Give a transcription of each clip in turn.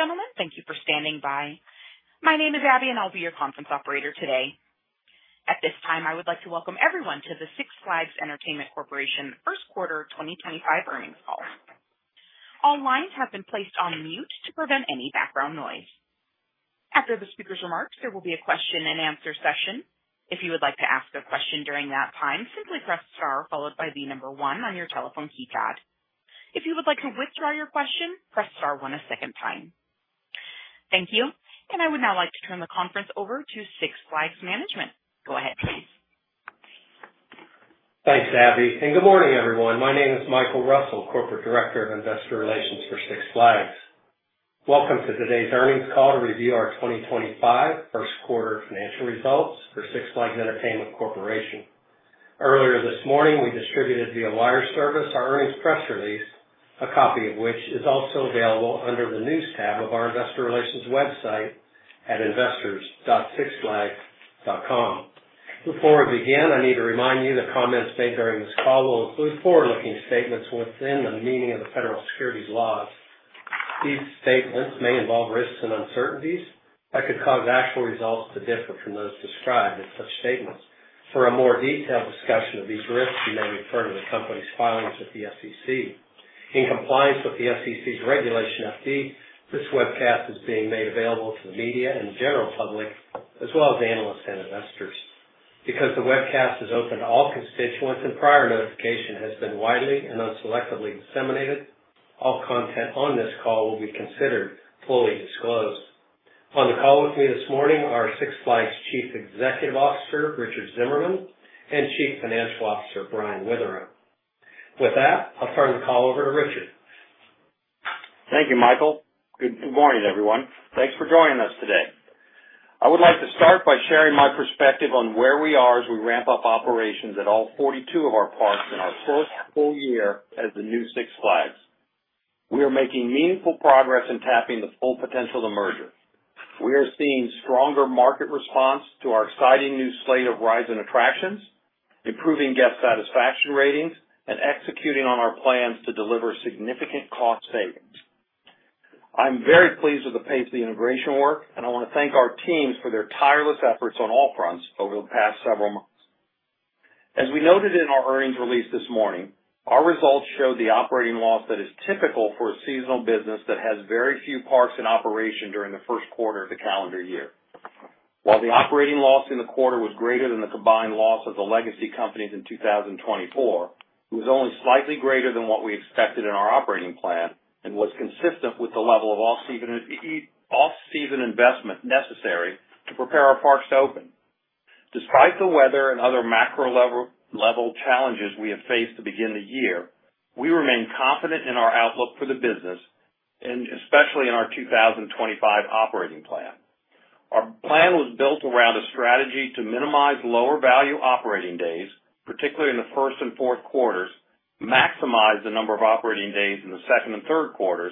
Ladies and gentlemen, thank you for standing by. My name is Abby, and I'll be your conference operator today. At this time, I would like to welcome everyone to the Six Flags Entertainment Corporation first quarter 2025 earnings call. All lines have been placed on mute to prevent any background noise. After the speaker's remarks, there will be a question-and-answer session. If you would like to ask a question during that time, simply press star followed by the number one on your telephone keypad. If you would like to withdraw your question, press star one a second time. Thank you. I would now like to turn the conference over to Six Flags Management. Go ahead, please. Thanks, Abby. Good morning, everyone. My name is Michael Russell, Corporate Director of Investor Relations for Six Flags. Welcome to today's earnings call to review our 2025 first quarter financial results for Six Flags Entertainment Corporation. Earlier this morning, we distributed via wire service our earnings press release, a copy of which is also available under the news tab of our investor relations website at investors.sixflags.com. Before I begin, I need to remind you that comments made during this call will include forward-looking statements within the meaning of the federal securities laws. These statements may involve risks and uncertainties that could cause actual results to differ from those described in such statements. For a more detailed discussion of these risks, you may refer to the company's filings with the SEC. In compliance with the SEC's regulation FD, this webcast is being made available to the media and the general public, as well as analysts and investors. Because the webcast is open to all constituents and prior notification has been widely and unselectively disseminated, all content on this call will be considered fully disclosed. On the call with me this morning are Six Flags Chief Executive Officer Richard Zimmerman and Chief Financial Officer Brian Witherow. With that, I'll turn the call over to Richard. Thank you, Michael. Good morning, everyone. Thanks for joining us today. I would like to start by sharing my perspective on where we are as we ramp up operations at all 42 of our parks in our fourth full year as the new Six Flags. We are making meaningful progress in tapping the full potential of the merger. We are seeing stronger market response to our exciting new slate of rides and attractions, improving guest satisfaction ratings, and executing on our plans to deliver significant cost savings. I'm very pleased with the pace of the integration work, and I want to thank our teams for their tireless efforts on all fronts over the past several months. As we noted in our earnings release this morning, our results showed the operating loss that is typical for a seasonal business that has very few parks in operation during the first quarter of the calendar year. While the operating loss in the quarter was greater than the combined loss of the legacy companies in 2024, it was only slightly greater than what we expected in our operating plan and was consistent with the level of off-season investment necessary to prepare our parks to open. Despite the weather and other macro-level challenges we have faced to begin the year, we remain confident in our outlook for the business, and especially in our 2025 operating plan. Our plan was built around a strategy to minimize lower value operating days, particularly in the first and fourth quarters, maximize the number of operating days in the second and third quarters,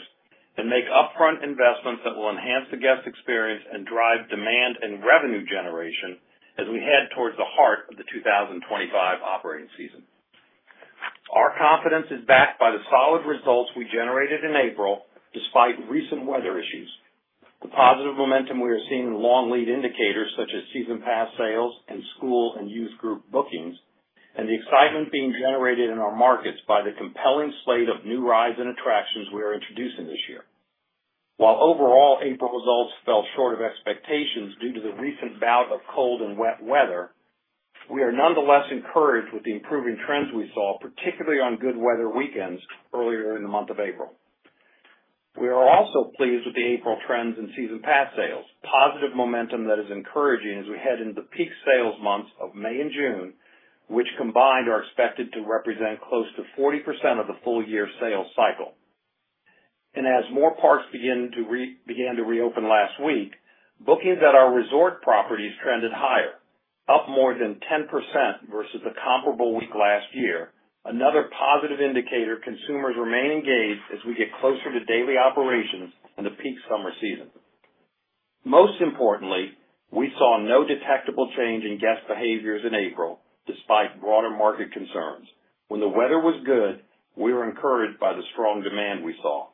and make upfront investments that will enhance the guest experience and drive demand and revenue generation as we head towards the heart of the 2025 operating season. Our confidence is backed by the solid results we generated in April despite recent weather issues, the positive momentum we are seeing in long lead indicators such as season pass sales and school and youth group bookings, and the excitement being generated in our markets by the compelling slate of new rides and attractions we are introducing this year. While overall April results fell short of expectations due to the recent bout of cold and wet weather, we are nonetheless encouraged with the improving trends we saw, particularly on good weather weekends earlier in the month of April. We are also pleased with the April trends in season pass sales, positive momentum that is encouraging as we head into the peak sales months of May and June, which combined are expected to represent close to 40% of the full year sales cycle. As more parks began to reopen last week, bookings at our resort properties trended higher, up more than 10% versus a comparable week last year, another positive indicator consumers remain engaged as we get closer to daily operations in the peak summer season. Most importantly, we saw no detectable change in guest behaviors in April despite broader market concerns. When the weather was good, we were encouraged by the strong demand we saw.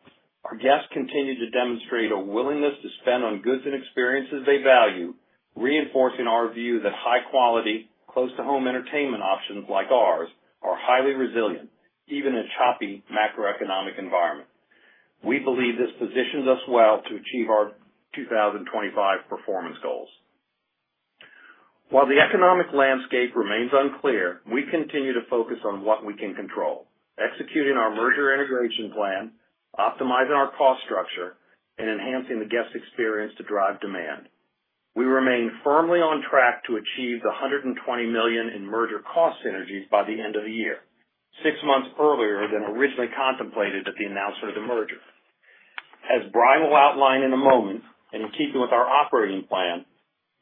Our guests continued to demonstrate a willingness to spend on goods and experiences they value, reinforcing our view that high-quality, close-to-home entertainment options like ours are highly resilient, even in a choppy macroeconomic environment. We believe this positions us well to achieve our 2025 performance goals. While the economic landscape remains unclear, we continue to focus on what we can control, executing our merger integration plan, optimizing our cost structure, and enhancing the guest experience to drive demand. We remain firmly on track to achieve the $120 million in merger cost synergies by the end of the year, six months earlier than originally contemplated at the announcement of the merger. As Brian will outline in a moment and in keeping with our operating plan,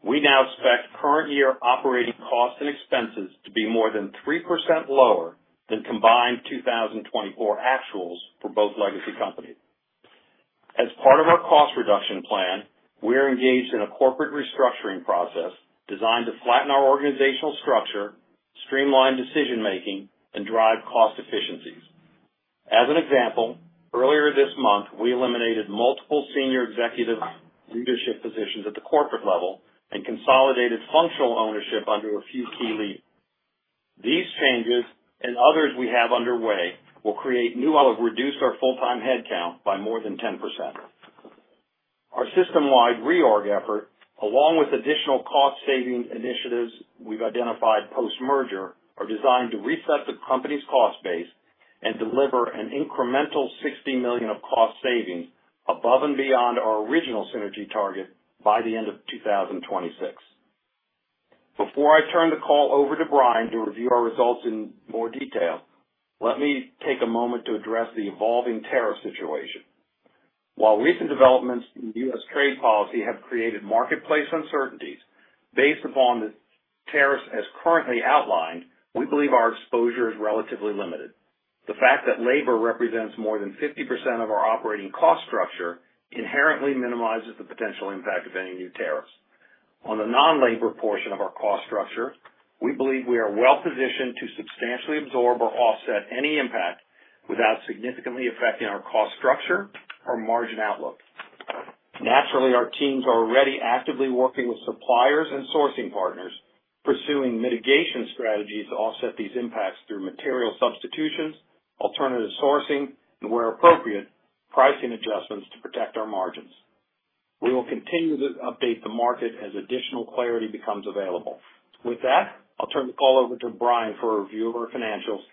we now expect current year operating costs and expenses to be more than 3% lower than combined 2024 actuals for both legacy companies. As part of our cost reduction plan, we are engaged in a corporate restructuring process designed to flatten our organizational structure, streamline decision-making, and drive cost efficiencies. As an example, earlier this month, we eliminated multiple senior executive leadership positions at the corporate level and consolidated functional ownership under a few key leaders. These changes and others we have underway will create new. Have reduced our full-time headcount by more than 10%. Our system-wide reorg effort, along with additional cost-saving initiatives we've identified post-merger, are designed to reset the company's cost base and deliver an incremental $60 million of cost savings above and beyond our original synergy target by the end of 2026. Before I turn the call over to Brian to review our results in more detail, let me take a moment to address the evolving tariff situation. While recent developments in U.S. trade policy have created marketplace uncertainties, based upon the tariffs as currently outlined, we believe our exposure is relatively limited. The fact that labor represents more than 50% of our operating cost structure inherently minimizes the potential impact of any new tariffs. On the non-labor portion of our cost structure, we believe we are well-positioned to substantially absorb or offset any impact without significantly affecting our cost structure or margin outlook. Naturally, our teams are already actively working with suppliers and sourcing partners, pursuing mitigation strategies to offset these impacts through material substitutions, alternative sourcing, and, where appropriate, pricing adjustments to protect our margins. We will continue to update the market as additional clarity becomes available. With that, I'll turn the call over to Brian for a review of our financials.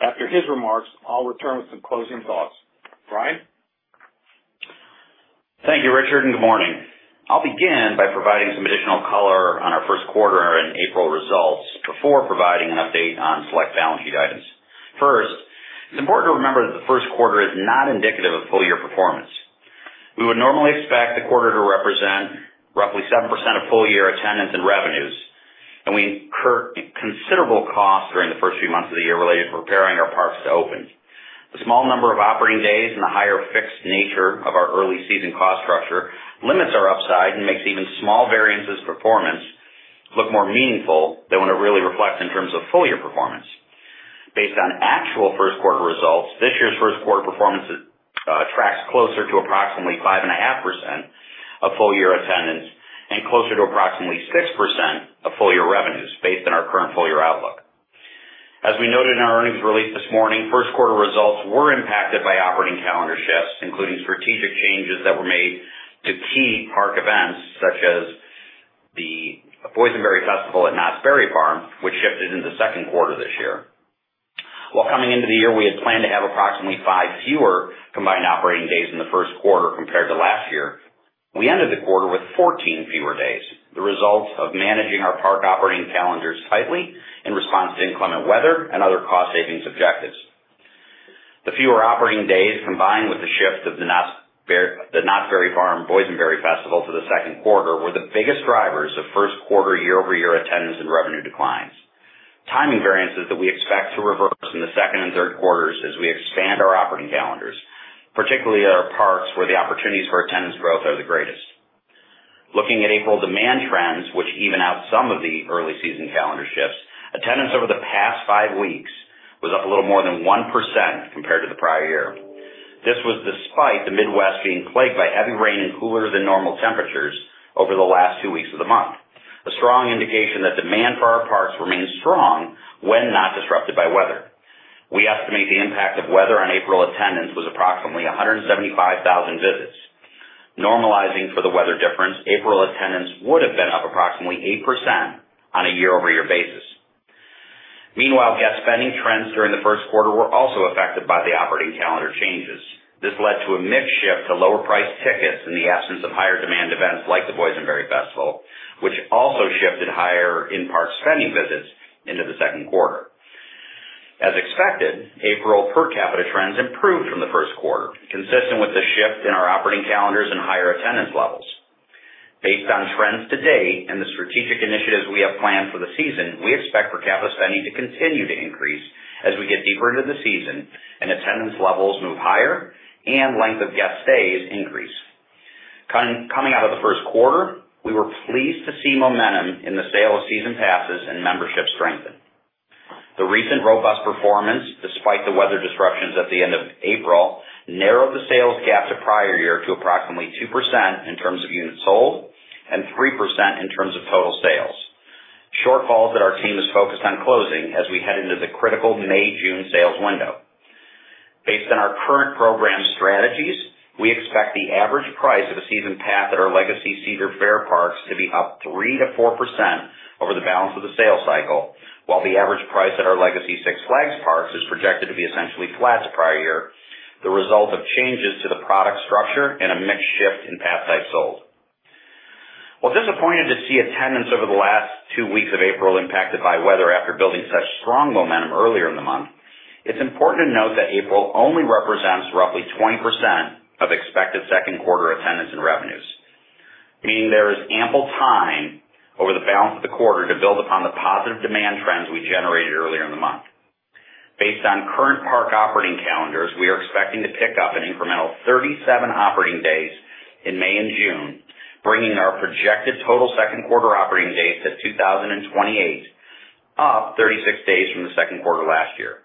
After his remarks, I'll return with some closing thoughts. Brian? Thank you, Richard, and good morning. I'll begin by providing some additional color on our first quarter and April results before providing an update on select balance sheet items. First, it's important to remember that the first quarter is not indicative of full-year performance. We would normally expect the quarter to represent roughly 7% of full-year attendance and revenues, and we incur considerable costs during the first few months of the year related to preparing our parks to open. The small number of operating days and the higher fixed nature of our early season cost structure limits our upside and makes even small variances' performance look more meaningful than when it really reflects in terms of full-year performance. Based on actual first-quarter results, this year's first-quarter performance tracks closer to approximately 5.5% of full-year attendance and closer to approximately 6% of full-year revenues based on our current full-year outlook. As we noted in our earnings release this morning, first-quarter results were impacted by operating calendar shifts, including strategic changes that were made to key park events such as the Boysenberry Festival at Knott's Berry Farm, which shifted into the second quarter this year. While coming into the year, we had planned to have approximately five fewer combined operating days in the first quarter compared to last year, we ended the quarter with 14 fewer days, the result of managing our park operating calendars tightly in response to inclement weather and other cost-savings objectives. The fewer operating days, combined with the shift of the Knott's Berry Farm Boysenberry Festival to the second quarter, were the biggest drivers of first-quarter year-over-year attendance and revenue declines. Timing variances that we expect to reverse in the second and third quarters as we expand our operating calendars, particularly at our parks where the opportunities for attendance growth are the greatest. Looking at April demand trends, which even out some of the early season calendar shifts, attendance over the past five weeks was up a little more than 1% compared to the prior year. This was despite the Midwest being plagued by heavy rain and cooler than normal temperatures over the last two weeks of the month, a strong indication that demand for our parks remains strong when not disrupted by weather. We estimate the impact of weather on April attendance was approximately 175,000 visits. Normalizing for the weather difference, April attendance would have been up approximately 8% on a year-over-year basis. Meanwhile, guest spending trends during the first quarter were also affected by the operating calendar changes. This led to a mixed shift to lower-priced tickets in the absence of higher-demand events like the Boysenberry Festival, which also shifted higher in-park spending visits into the second quarter. As expected, April per capita trends improved from the first quarter, consistent with the shift in our operating calendars and higher attendance levels. Based on trends to date and the strategic initiatives we have planned for the season, we expect per capita spending to continue to increase as we get deeper into the season and attendance levels move higher and length of guest stays increase. Coming out of the first quarter, we were pleased to see momentum in the sale of season passes and membership strengthen. The recent robust performance, despite the weather disruptions at the end of April, narrowed the sales gap to prior year to approximately 2% in terms of units sold and 3% in terms of total sales. Shortfalls that our team is focused on closing as we head into the critical May-June sales window. Based on our current program strategies, we expect the average price of a season pass at our legacy Cedar Fair parks to be up 3-4% over the balance of the sales cycle, while the average price at our legacy Six Flags parks is projected to be essentially flat to prior year, the result of changes to the product structure and a mixed shift in pass types sold. While disappointed to see attendance over the last two weeks of April impacted by weather after building such strong momentum earlier in the month, it's important to note that April only represents roughly 20% of expected second quarter attendance and revenues, meaning there is ample time over the balance of the quarter to build upon the positive demand trends we generated earlier in the month. Based on current park operating calendars, we are expecting to pick up an incremental 37 operating days in May and June, bringing our projected total second quarter operating days to 2,028, up 36 days from the second quarter last year.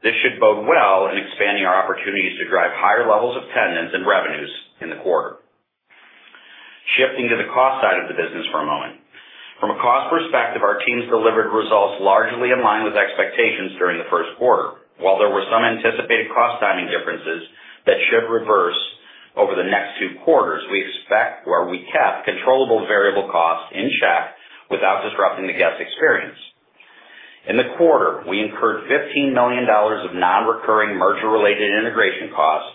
This should bode well in expanding our opportunities to drive higher levels of attendance and revenues in the quarter. Shifting to the cost side of the business for a moment. From a cost perspective, our team's delivered results largely aligned with expectations during the first quarter. While there were some anticipated cost timing differences that should reverse over the next two quarters, we expect or we kept controllable variable costs in check without disrupting the guest experience. In the quarter, we incurred $15 million of non-recurring merger-related integration costs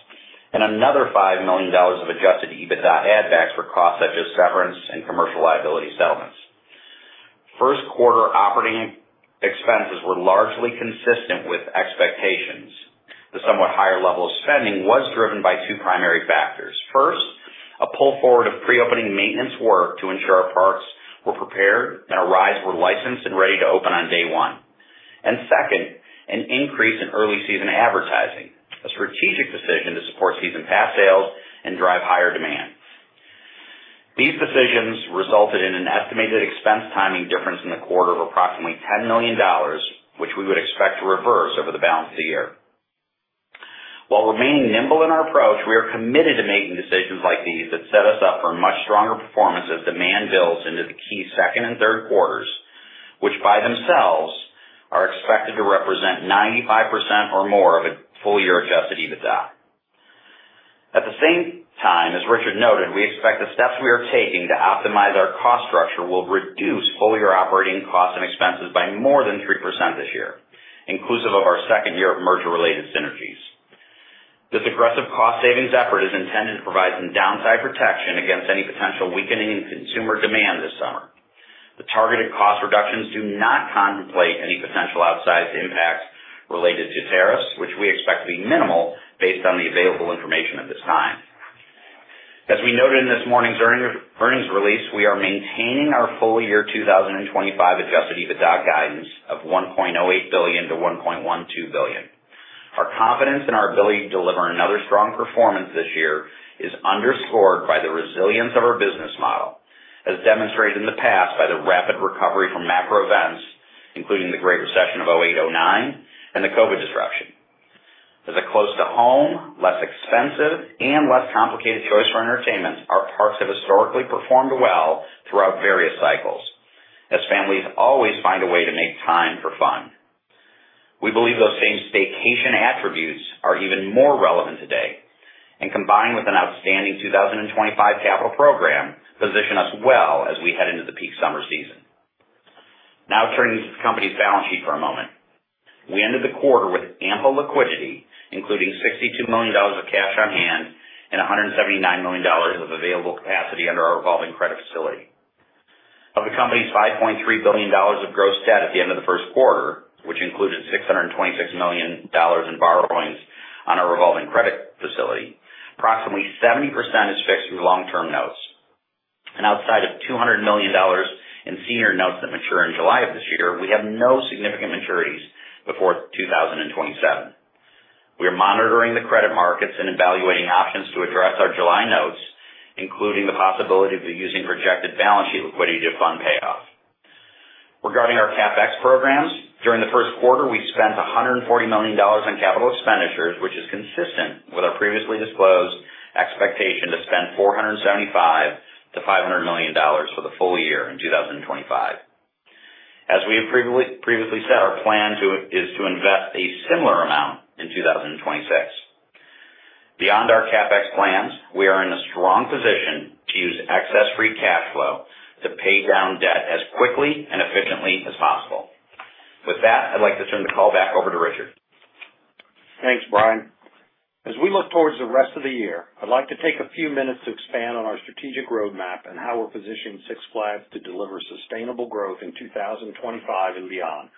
and another $5 million of adjusted EBITDA add-backs for costs such as severance and commercial liability settlements. First-quarter operating expenses were largely consistent with expectations. The somewhat higher level of spending was driven by two primary factors. First, a pull forward of pre-opening maintenance work to ensure our parks were prepared and our rides were licensed and ready to open on day one. Second, an increase in early season advertising, a strategic decision to support season pass sales and drive higher demand. These decisions resulted in an estimated expense timing difference in the quarter of approximately $10 million, which we would expect to reverse over the balance of the year. While remaining nimble in our approach, we are committed to making decisions like these that set us up for much stronger performance as demand builds into the key second and third quarters, which by themselves are expected to represent 95% or more of a full-year adjusted EBITDA. At the same time, as Richard noted, we expect the steps we are taking to optimize our cost structure will reduce full-year operating costs and expenses by more than 3% this year, inclusive of our second year of merger-related synergies. This aggressive cost savings effort is intended to provide some downside protection against any potential weakening in consumer demand this summer. The targeted cost reductions do not contemplate any potential outsized impacts related to tariffs, which we expect to be minimal based on the available information at this time. As we noted in this morning's earnings release, we are maintaining our full-year 2025 adjusted EBITDA guidance of $1.08 billion-$1.12 billion. Our confidence in our ability to deliver another strong performance this year is underscored by the resilience of our business model, as demonstrated in the past by the rapid recovery from macro events, including the Great Recession of 2008-2009 and the COVID disruption. As a close-to-home, less expensive, and less complicated choice for entertainment, our parks have historically performed well throughout various cycles, as families always find a way to make time for fun. We believe those same staycation attributes are even more relevant today, and combined with an outstanding 2025 capital program, position us well as we head into the peak summer season. Now, turning to the company's balance sheet for a moment. We ended the quarter with ample liquidity, including $62 million of cash on hand and $179 million of available capacity under our revolving credit facility. Of the company's $5.3 billion of gross debt at the end of the first quarter, which included $626 million in borrowings on our revolving credit facility, approximately 70% is fixed through long-term notes. Outside of $200 million in senior notes that mature in July of this year, we have no significant maturities before 2027. We are monitoring the credit markets and evaluating options to address our July notes, including the possibility of using rejected balance sheet liquidity to fund payoff. Regarding our CapEx programs, during the first quarter, we spent $140 million on capital expenditures, which is consistent with our previously disclosed expectation to spend $475-$500 million for the full year in 2025. As we have previously said, our plan is to invest a similar amount in 2026. Beyond our CapEx plans, we are in a strong position to use excess free cash flow to pay down debt as quickly and efficiently as possible. With that, I'd like to turn the call back over to Richard. Thanks, Brian. As we look towards the rest of the year, I'd like to take a few minutes to expand on our strategic roadmap and how we're positioning Six Flags to deliver sustainable growth in 2025 and beyond.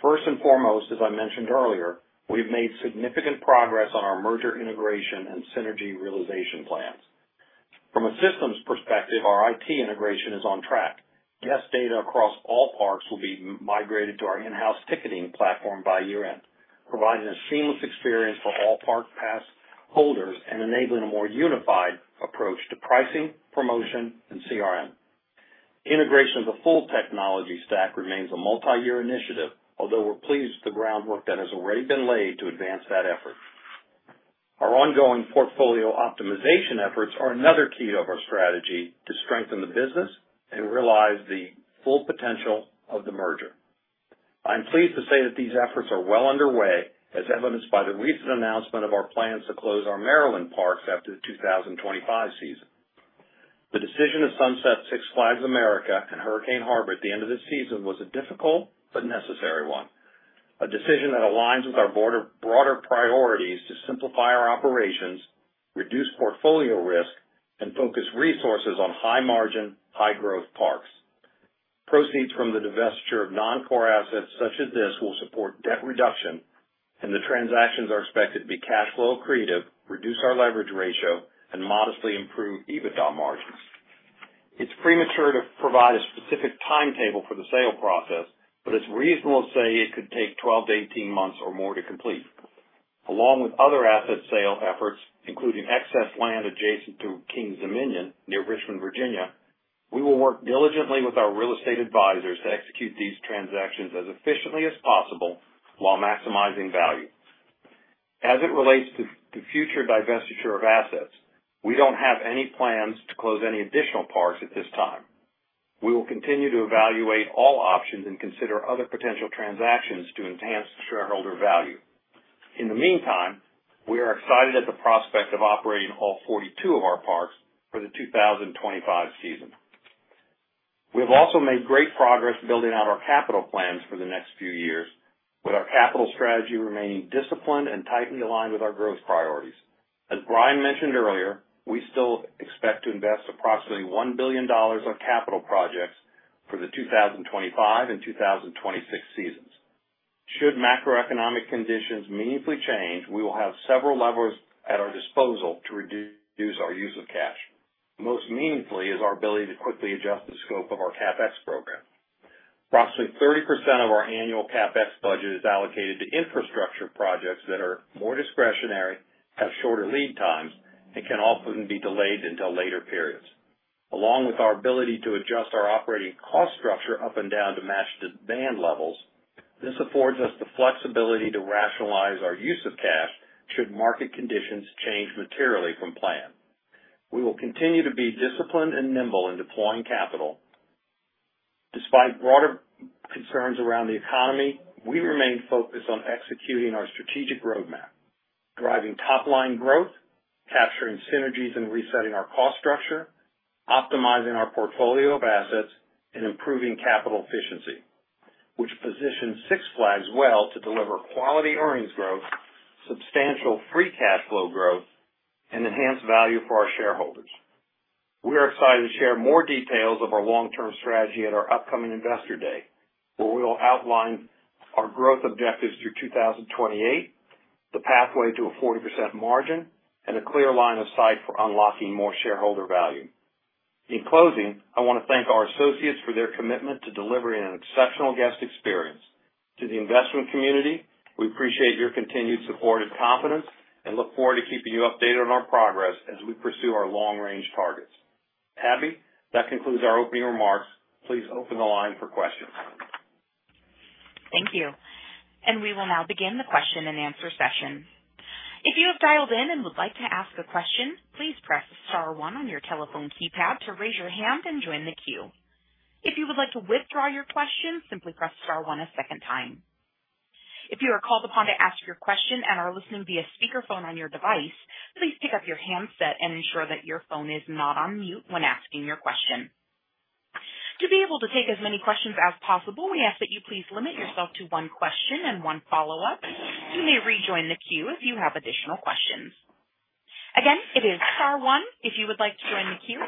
First and foremost, as I mentioned earlier, we've made significant progress on our merger integration and synergy realization plans. From a systems perspective, our IT integration is on track. Guest data across all parks will be migrated to our in-house ticketing platform by year-end, providing a seamless experience for all park pass holders and enabling a more unified approach to pricing, promotion, and CRM. Integration of the full technology stack remains a multi-year initiative, although we're pleased with the groundwork that has already been laid to advance that effort. Our ongoing portfolio optimization efforts are another key to our strategy to strengthen the business and realize the full potential of the merger. I'm pleased to say that these efforts are well underway, as evidenced by the recent announcement of our plans to close our Maryland parks after the 2025 season. The decision to sunset Six Flags America and Hurricane Harbor at the end of this season was a difficult but necessary one, a decision that aligns with our broader priorities to simplify our operations, reduce portfolio risk, and focus resources on high-margin, high-growth parks. Proceeds from the divestiture of non-core assets such as this will support debt reduction, and the transactions are expected to be cash flow accretive, reduce our leverage ratio, and modestly improve EBITDA margins. It's premature to provide a specific timetable for the sale process, but it's reasonable to say it could take 12-18 months or more to complete. Along with other asset sale efforts, including excess land adjacent to King's Dominion near Richmond, Virginia, we will work diligently with our real estate advisors to execute these transactions as efficiently as possible while maximizing value. As it relates to future divestiture of assets, we do not have any plans to close any additional parks at this time. We will continue to evaluate all options and consider other potential transactions to enhance shareholder value. In the meantime, we are excited at the prospect of operating all 42 of our parks for the 2025 season. We have also made great progress building out our capital plans for the next few years, with our capital strategy remaining disciplined and tightly aligned with our growth priorities. As Brian mentioned earlier, we still expect to invest approximately $1 billion on capital projects for the 2025 and 2026 seasons. Should macroeconomic conditions meaningfully change, we will have several levers at our disposal to reduce our use of cash. Most meaningfully is our ability to quickly adjust the scope of our CapEx program. Approximately 30% of our annual CapEx budget is allocated to infrastructure projects that are more discretionary, have shorter lead times, and can often be delayed until later periods. Along with our ability to adjust our operating cost structure up and down to match demand levels, this affords us the flexibility to rationalize our use of cash should market conditions change materially from planned. We will continue to be disciplined and nimble in deploying capital. Despite broader concerns around the economy, we remain focused on executing our strategic roadmap, driving top-line growth, capturing synergies, and resetting our cost structure, optimizing our portfolio of assets, and improving capital efficiency, which positions Six Flags well to deliver quality earnings growth, substantial free cash flow growth, and enhanced value for our shareholders. We are excited to share more details of our long-term strategy at our upcoming investor day, where we will outline our growth objectives through 2028, the pathway to a 40% margin, and a clear line of sight for unlocking more shareholder value. In closing, I want to thank our associates for their commitment to delivering an exceptional guest experience. To the investment community, we appreciate your continued support and confidence and look forward to keeping you updated on our progress as we pursue our long-range targets. Abby, that concludes our opening remarks. Please open the line for questions. Thank you. We will now begin the question and answer session. If you have dialed in and would like to ask a question, please press star one on your telephone keypad to raise your hand and join the queue. If you would like to withdraw your question, simply press star one a second time. If you are called upon to ask your question and are listening via speakerphone on your device, please pick up your handset and ensure that your phone is not on mute when asking your question. To be able to take as many questions as possible, we ask that you please limit yourself to one question and one follow-up. You may rejoin the queue if you have additional questions. Again, it is star one if you would like to join the queue.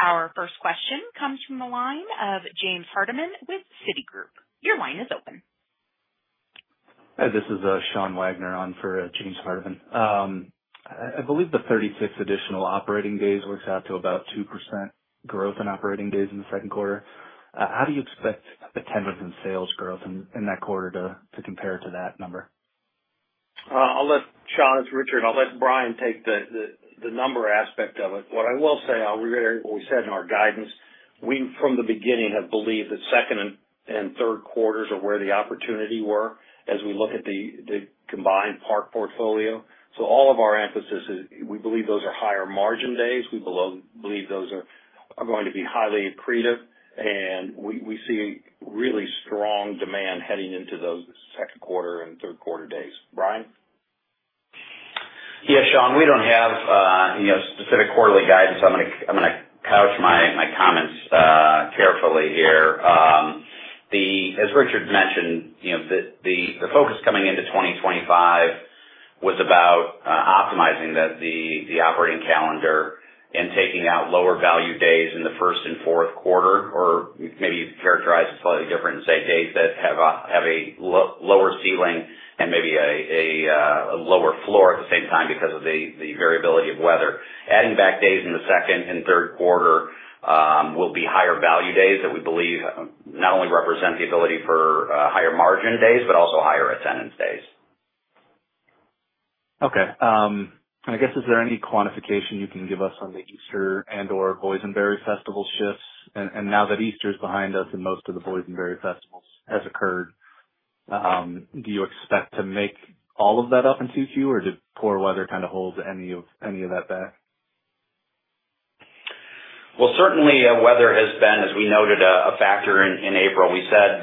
Our first question comes from the line of James Hardiman with Citigroup. Your line is open. Hey, this is Sean Wagner on for James Hardiman. I believe the 36 additional operating days works out to about 2% growth in operating days in the second quarter. How do you expect attendance and sales growth in that quarter to compare to that number? I'll let Sean—that's Richard. I'll let Brian take the number aspect of it. What I will say, I'll reiterate what we said in our guidance. We, from the beginning, have believed that second and third quarters are where the opportunity were as we look at the combined park portfolio. So all of our emphasis is we believe those are higher margin days. We believe those are going to be highly accretive, and we see really strong demand heading into those second quarter and third quarter days. Brian? Yeah, Sean, we don't have specific quarterly guidance. I'm going to couch my comments carefully here. As Richard mentioned, the focus coming into 2025 was about optimizing the operating calendar and taking out lower value days in the first and fourth quarter, or maybe characterize it slightly different and say days that have a lower ceiling and maybe a lower floor at the same time because of the variability of weather. Adding back days in the second and third quarter will be higher value days that we believe not only represent the ability for higher margin days but also higher attendance days. Okay. I guess, is there any quantification you can give us on the Easter and/or Boysenberry Festival shifts? Now that Easter is behind us and most of the Boysenberry Festival has occurred, do you expect to make all of that up into the queue, or did poor weather kind of hold any of that back? Certainly, weather has been, as we noted, a factor in April. We said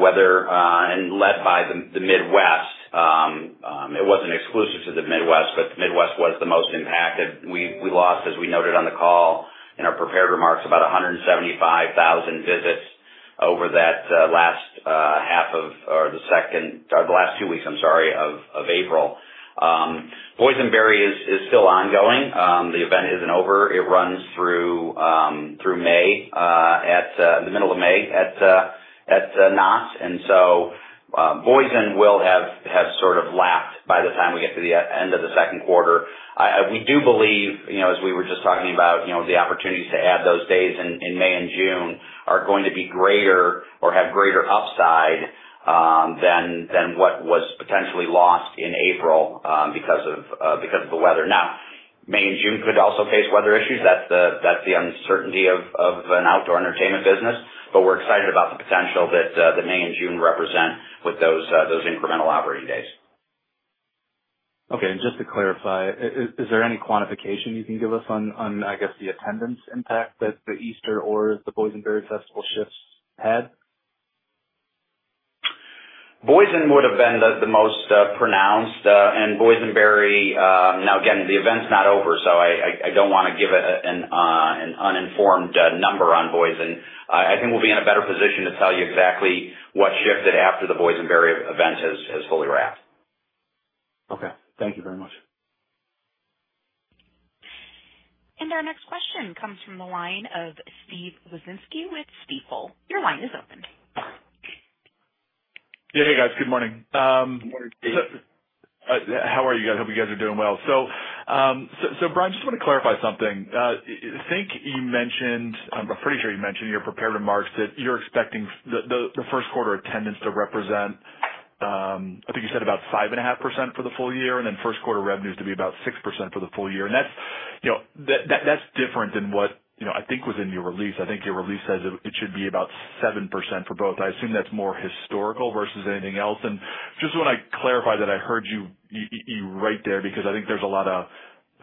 weather and led by the Midwest. It was not exclusive to the Midwest, but the Midwest was the most impacted. We lost, as we noted on the call in our prepared remarks, about 175,000 visits over that last half of—or the second—or the last two weeks, I am sorry, of April. Boysenberry is still ongoing. The event is not over. It runs through May, in the middle of May, at Knott's. Boysen will have sort of lapped by the time we get to the end of the second quarter. We do believe, as we were just talking about, the opportunities to add those days in May and June are going to be greater or have greater upside than what was potentially lost in April because of the weather. Now, May and June could also face weather issues. That's the uncertainty of an outdoor entertainment business. We are excited about the potential that May and June represent with those incremental operating days. Okay. Just to clarify, is there any quantification you can give us on, I guess, the attendance impact that the Easter or the Boysenberry Festival shifts had? Boysen would have been the most pronounced. Boysenberry—now again, the event's not over, so I do not want to give an uninformed number on Boysen. I think we will be in a better position to tell you exactly what shifted after the Boysenberry event has fully wrapped. Okay. Thank you very much. Our next question comes from the line of Steve Wieczynski with Stifel. Your line is open. Yeah, hey, guys. Good morning. Good morning, Steve. How are you guys? I hope you guys are doing well. Brian, just want to clarify something. I think you mentioned, I'm pretty sure you mentioned in your prepared remarks that you're expecting the first quarter attendance to represent, I think you said, about 5.5% for the full year and then first quarter revenues to be about 6% for the full year. That's different than what I think was in your release. I think your release says it should be about 7% for both. I assume that's more historical versus anything else. Just want to clarify that I heard you right there because I think there's a lot of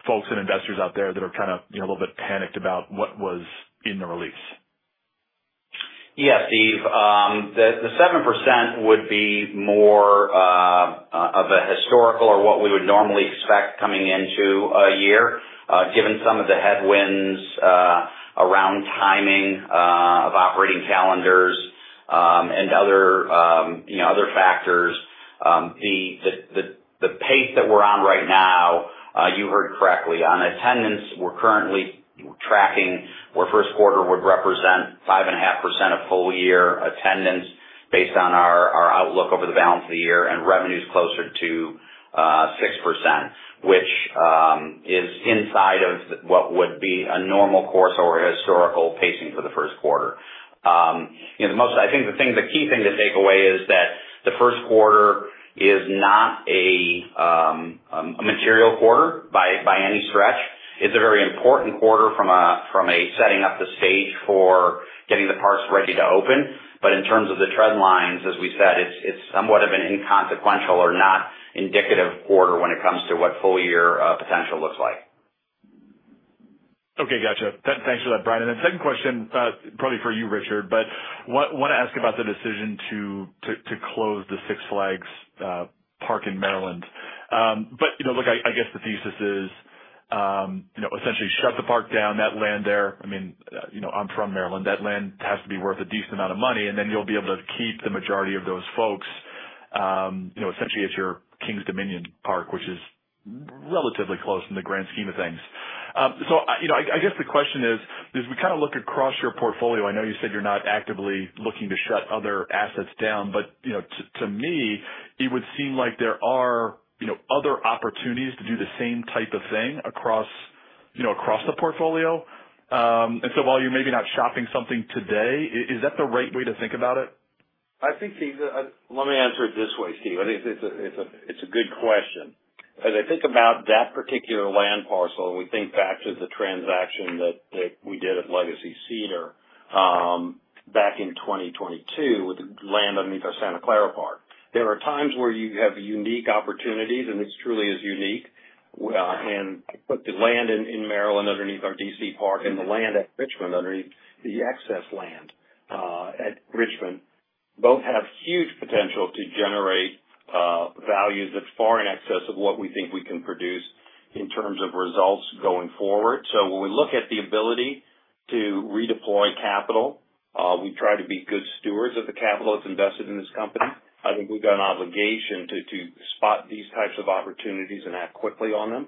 folks and investors out there that are kind of a little bit panicked about what was in the release. Yeah, Steve. The 7% would be more of a historical or what we would normally expect coming into a year, given some of the headwinds around timing of operating calendars and other factors. The pace that we're on right now, you heard correctly. On attendance, we're currently tracking where first quarter would represent 5.5% of full-year attendance based on our outlook over the balance of the year and revenues closer to 6%, which is inside of what would be a normal course or a historical pacing for the first quarter. I think the key thing to take away is that the first quarter is not a material quarter by any stretch. It's a very important quarter from a setting up the stage for getting the parks ready to open. In terms of the trend lines, as we said, it's somewhat of an inconsequential or not indicative quarter when it comes to what full-year potential looks like. Okay. Gotcha. Thanks for that, Brian. Then second question, probably for you, Richard, but want to ask about the decision to close the Six Flags park in Maryland. Look, I guess the thesis is essentially shut the park down, that land there—I mean, I'm from Maryland—that land has to be worth a decent amount of money, and then you'll be able to keep the majority of those folks. Essentially, it's your King's Dominion park, which is relatively close in the grand scheme of things. I guess the question is, as we kind of look across your portfolio, I know you said you're not actively looking to shut other assets down, but to me, it would seem like there are other opportunities to do the same type of thing across the portfolio. While you're maybe not shopping something today, is that the right way to think about it? I think, Steve, let me answer it this way, Steve. I think it's a good question. As I think about that particular land parcel and we think back to the transaction that we did at Legacy Cedar back in 2022 with the land underneath our Santa Clara Park, there are times where you have unique opportunities, and this truly is unique. Put the land in Maryland underneath our DC Park and the land at Richmond underneath the excess land at Richmond, both have huge potential to generate values that far in excess of what we think we can produce in terms of results going forward. When we look at the ability to redeploy capital, we try to be good stewards of the capital that's invested in this company. I think we've got an obligation to spot these types of opportunities and act quickly on them.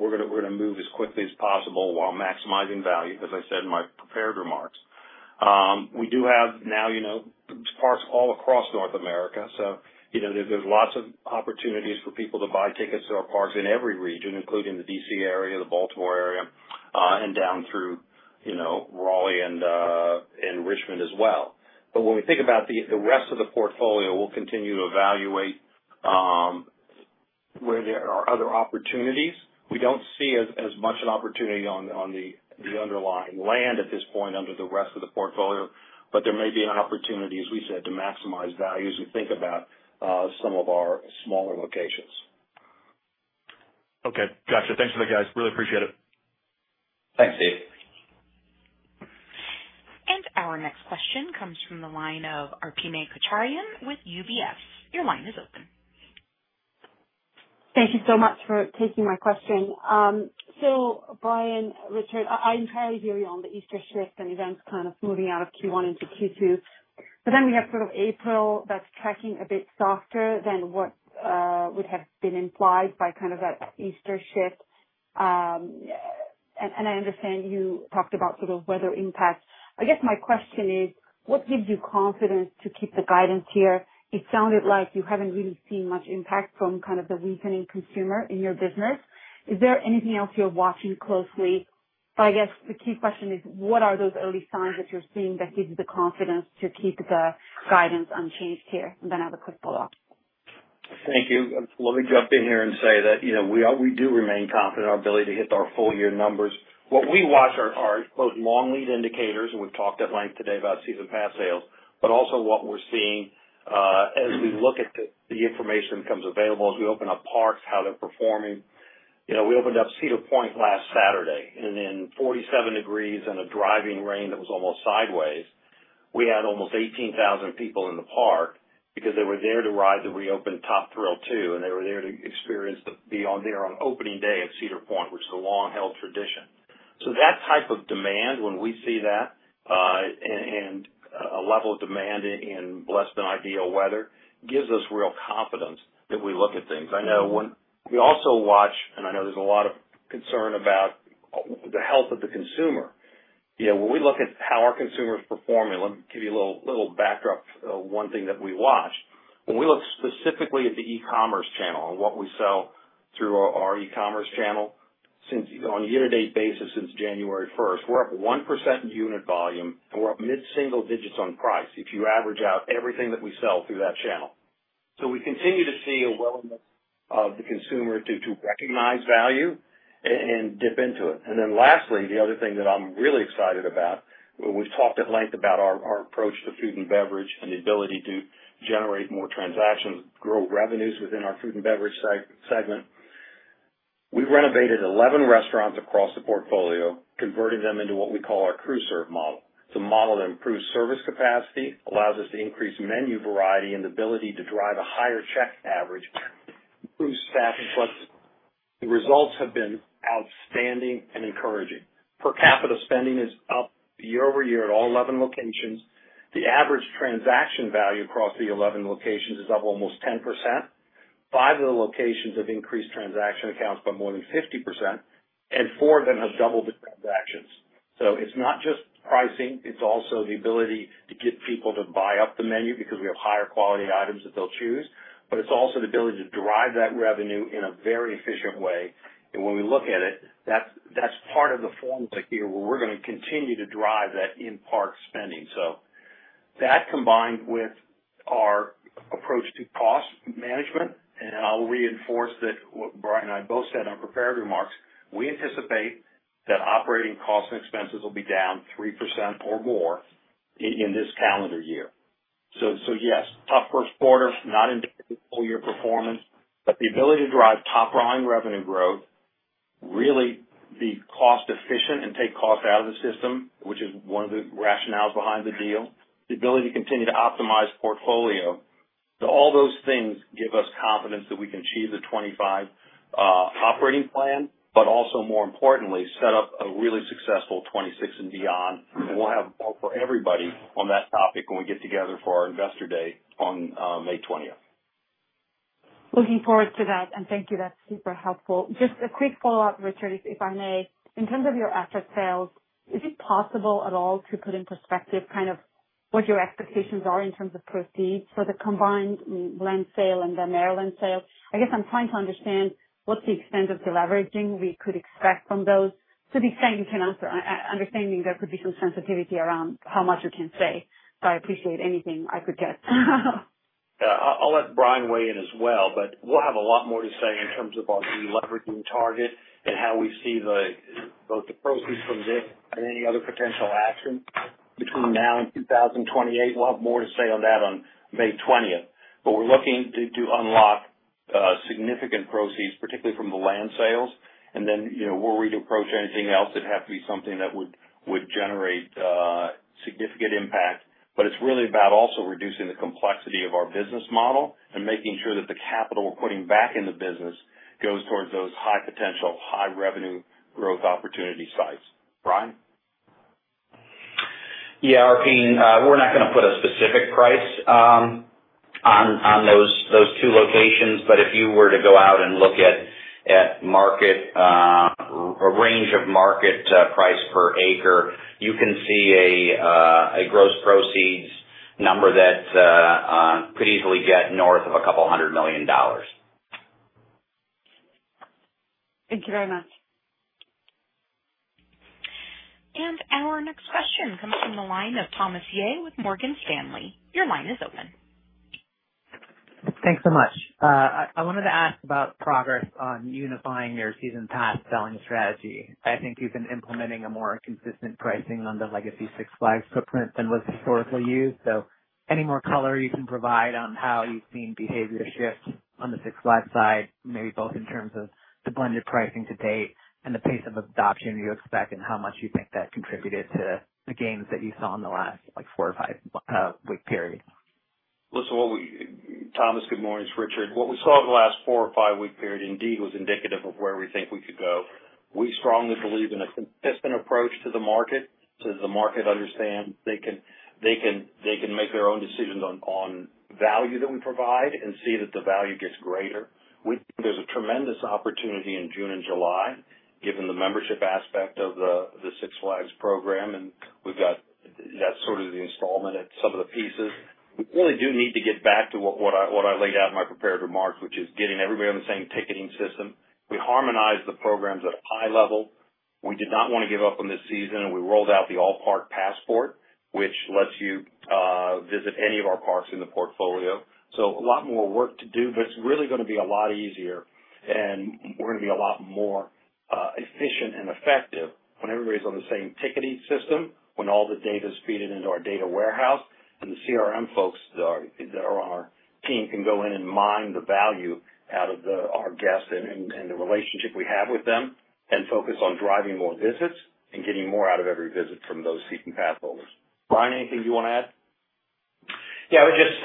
We're going to move as quickly as possible while maximizing value, as I said in my prepared remarks. We do have now parks all across North America, so there's lots of opportunities for people to buy tickets to our parks in every region, including the DC area, the Baltimore area, and down through Raleigh and Richmond as well. When we think about the rest of the portfolio, we'll continue to evaluate where there are other opportunities. We do not see as much an opportunity on the underlying land at this point under the rest of the portfolio, but there may be an opportunity, as we said, to maximize values and think about some of our smaller locations. Okay. Gotcha. Thanks for that, guys. Really appreciate it. Thanks, Steve. Our next question comes from the line of Arpimé Kocharian with UBS. Your line is open. Thank you so much for taking my question. Brian, Richard, I am currently hearing on the Easter shift and events kind of moving out of Q1 into Q2. April is tracking a bit softer than what would have been implied by that Easter shift. I understand you talked about weather impact. My question is, what gives you confidence to keep the guidance here? It sounded like you have not really seen much impact from the weakening consumer in your business. Is there anything else you are watching closely? The key question is, what are those early signs that you are seeing that give you the confidence to keep the guidance unchanged here? I have a quick follow-up. Thank you. Let me jump in here and say that we do remain confident in our ability to hit our full-year numbers. What we watch are both long-lead indicators, and we've talked at length today about season pass sales, but also what we're seeing as we look at the information that comes available as we open up parks, how they're performing. We opened up Cedar Point last Saturday, and in 47 degrees Fahrenheit and a driving rain that was almost sideways, we had almost 18,000 people in the park because they were there to ride the reopened Top Thrill two, and they were there to experience the be-on-air on opening day at Cedar Point, which is a long-held tradition. That type of demand, when we see that and a level of demand in less-than-ideal weather, gives us real confidence that we look at things. I know when we also watch, and I know there's a lot of concern about the health of the consumer. When we look at how our consumers perform, and let me give you a little backdrop of one thing that we watched. When we look specifically at the e-commerce channel and what we sell through our e-commerce channel on a year-to-date basis since January 1, we're up 1% in unit volume, and we're up mid-single digits on price if you average out everything that we sell through that channel. We continue to see a willingness of the consumer to recognize value and dip into it. Lastly, the other thing that I'm really excited about, we've talked at length about our approach to food and beverage and the ability to generate more transactions, grow revenues within our food and beverage segment. We've renovated 11 restaurants across the portfolio, converting them into what we call our cruiser model. It's a model that improves service capacity, allows us to increase menu variety, and the ability to drive a higher check average through staffing plus. The results have been outstanding and encouraging. Per capita spending is up year over year at all 11 locations. The average transaction value across the 11 locations is up almost 10%. Five of the locations have increased transaction accounts by more than 50%, and four of them have doubled the transactions. It is not just pricing. It is also the ability to get people to buy up the menu because we have higher quality items that they'll choose, but it is also the ability to drive that revenue in a very efficient way. When we look at it, that's part of the formula here where we're going to continue to drive that in-park spending. That combined with our approach to cost management, and I'll reinforce that what Brian and I both said in our prepared remarks, we anticipate that operating costs and expenses will be down 3% or more in this calendar year. Yes, tough first quarter, not indicative of full-year performance, but the ability to drive top-line revenue growth, really be cost-efficient and take cost out of the system, which is one of the rationales behind the deal, the ability to continue to optimize portfolio. All those things give us confidence that we can achieve the 2025 operating plan, but also more importantly, set up a really successful 2026 and beyond. We'll have a call for everybody on that topic when we get together for our investor day on May 20th. Looking forward to that, and thank you. That's super helpful. Just a quick follow-up, Richard, if I may. In terms of your asset sales, is it possible at all to put in perspective kind of what your expectations are in terms of proceeds for the combined land sale and the Maryland sale? I guess I'm trying to understand what's the extent of the leveraging we could expect from those. To the extent you can answer, understanding there could be some sensitivity around how much you can say. I appreciate anything I could get. Yeah. I'll let Brian weigh in as well, but we'll have a lot more to say in terms of our leveraging target and how we see both the proceeds from this and any other potential action between now and 2028. We'll have more to say on that on May 20th. We're looking to unlock significant proceeds, particularly from the land sales, and then we'll reapproach anything else that has to be something that would generate significant impact. It's really about also reducing the complexity of our business model and making sure that the capital we're putting back in the business goes towards those high-potential, high-revenue growth opportunity sites. Brian? Yeah, Arpimé, we're not going to put a specific price on those two locations, but if you were to go out and look at a range of market price per acre, you can see a gross proceeds number that could easily get north of a couple hundred million dollars. Thank you very much. Our next question comes from the line of Thomas Yeh with Morgan Stanley. Your line is open. Thanks so much. I wanted to ask about progress on unifying your season pass selling strategy. I think you've been implementing a more consistent pricing on the legacy Six Flags footprint than was historically used. Any more color you can provide on how you've seen behavior shift on the Six Flags side, maybe both in terms of the blended pricing to date and the pace of adoption you expect and how much you think that contributed to the gains that you saw in the last four or five-week period? Thomas, good morning. It's Richard. What we saw over the last four or five-week period indeed was indicative of where we think we could go. We strongly believe in a consistent approach to the market so that the market understands they can make their own decisions on value that we provide and see that the value gets greater. We think there's a tremendous opportunity in June and July given the membership aspect of the Six Flags program, and we've got that sort of the installment at some of the pieces. We really do need to get back to what I laid out in my prepared remarks, which is getting everybody on the same ticketing system. We harmonized the programs at a high level. We did not want to give up on this season, and we rolled out the all-park passport, which lets you visit any of our parks in the portfolio. A lot more work to do, but it's really going to be a lot easier, and we're going to be a lot more efficient and effective when everybody's on the same ticketing system, when all the data's fed into our data warehouse, and the CRM folks that are on our team can go in and mine the value out of our guests and the relationship we have with them and focus on driving more visits and getting more out of every visit from those season pass holders. Brian, anything you want to add? Yeah. I would just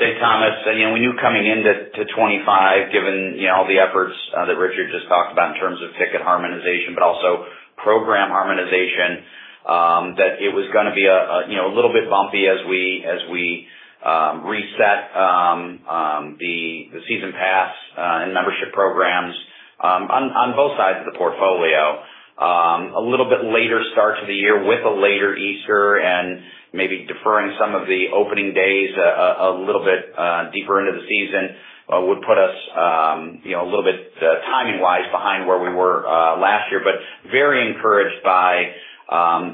say, Thomas, we knew coming into 2025, given all the efforts that Richard just talked about in terms of ticket harmonization, but also program harmonization, that it was going to be a little bit bumpy as we reset the season pass and membership programs on both sides of the portfolio. A little bit later start to the year with a later Easter and maybe deferring some of the opening days a little bit deeper into the season would put us a little bit timing-wise behind where we were last year, but very encouraged by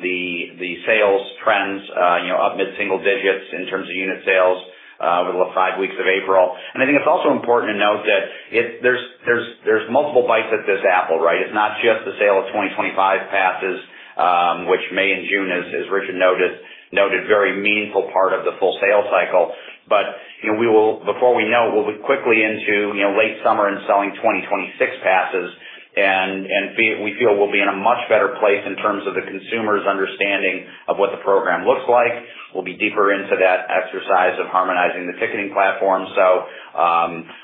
the sales trends up mid-single digits in terms of unit sales over the last five weeks of April. I think it's also important to note that there's multiple bites at this apple, right? It's not just the sale of 2025 passes, which May and June, as Richard noted, very meaningful part of the full sale cycle. Before we know it, we'll be quickly into late summer and selling 2026 passes, and we feel we'll be in a much better place in terms of the consumer's understanding of what the program looks like. We'll be deeper into that exercise of harmonizing the ticketing platform.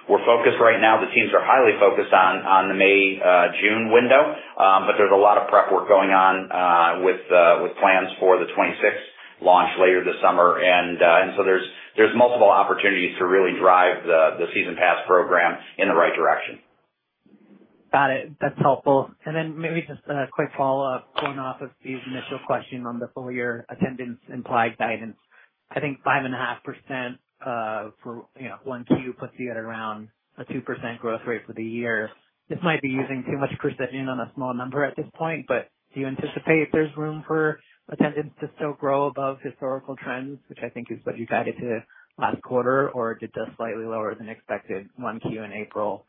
We're focused right now. The teams are highly focused on the May-June window, but there's a lot of prep work going on with plans for the 2026 launch later this summer. There are multiple opportunities to really drive the season pass program in the right direction. Got it. That's helpful. Maybe just a quick follow-up going off of these initial questions on the full-year attendance implied guidance. I think 5.5% for Q1 puts you at around a 2% growth rate for the year. This might be using too much precision on a small number at this point, but do you anticipate there's room for attendance to still grow above historical trends, which I think is what you guided to last quarter, or did the slightly lower than expected Q1 in April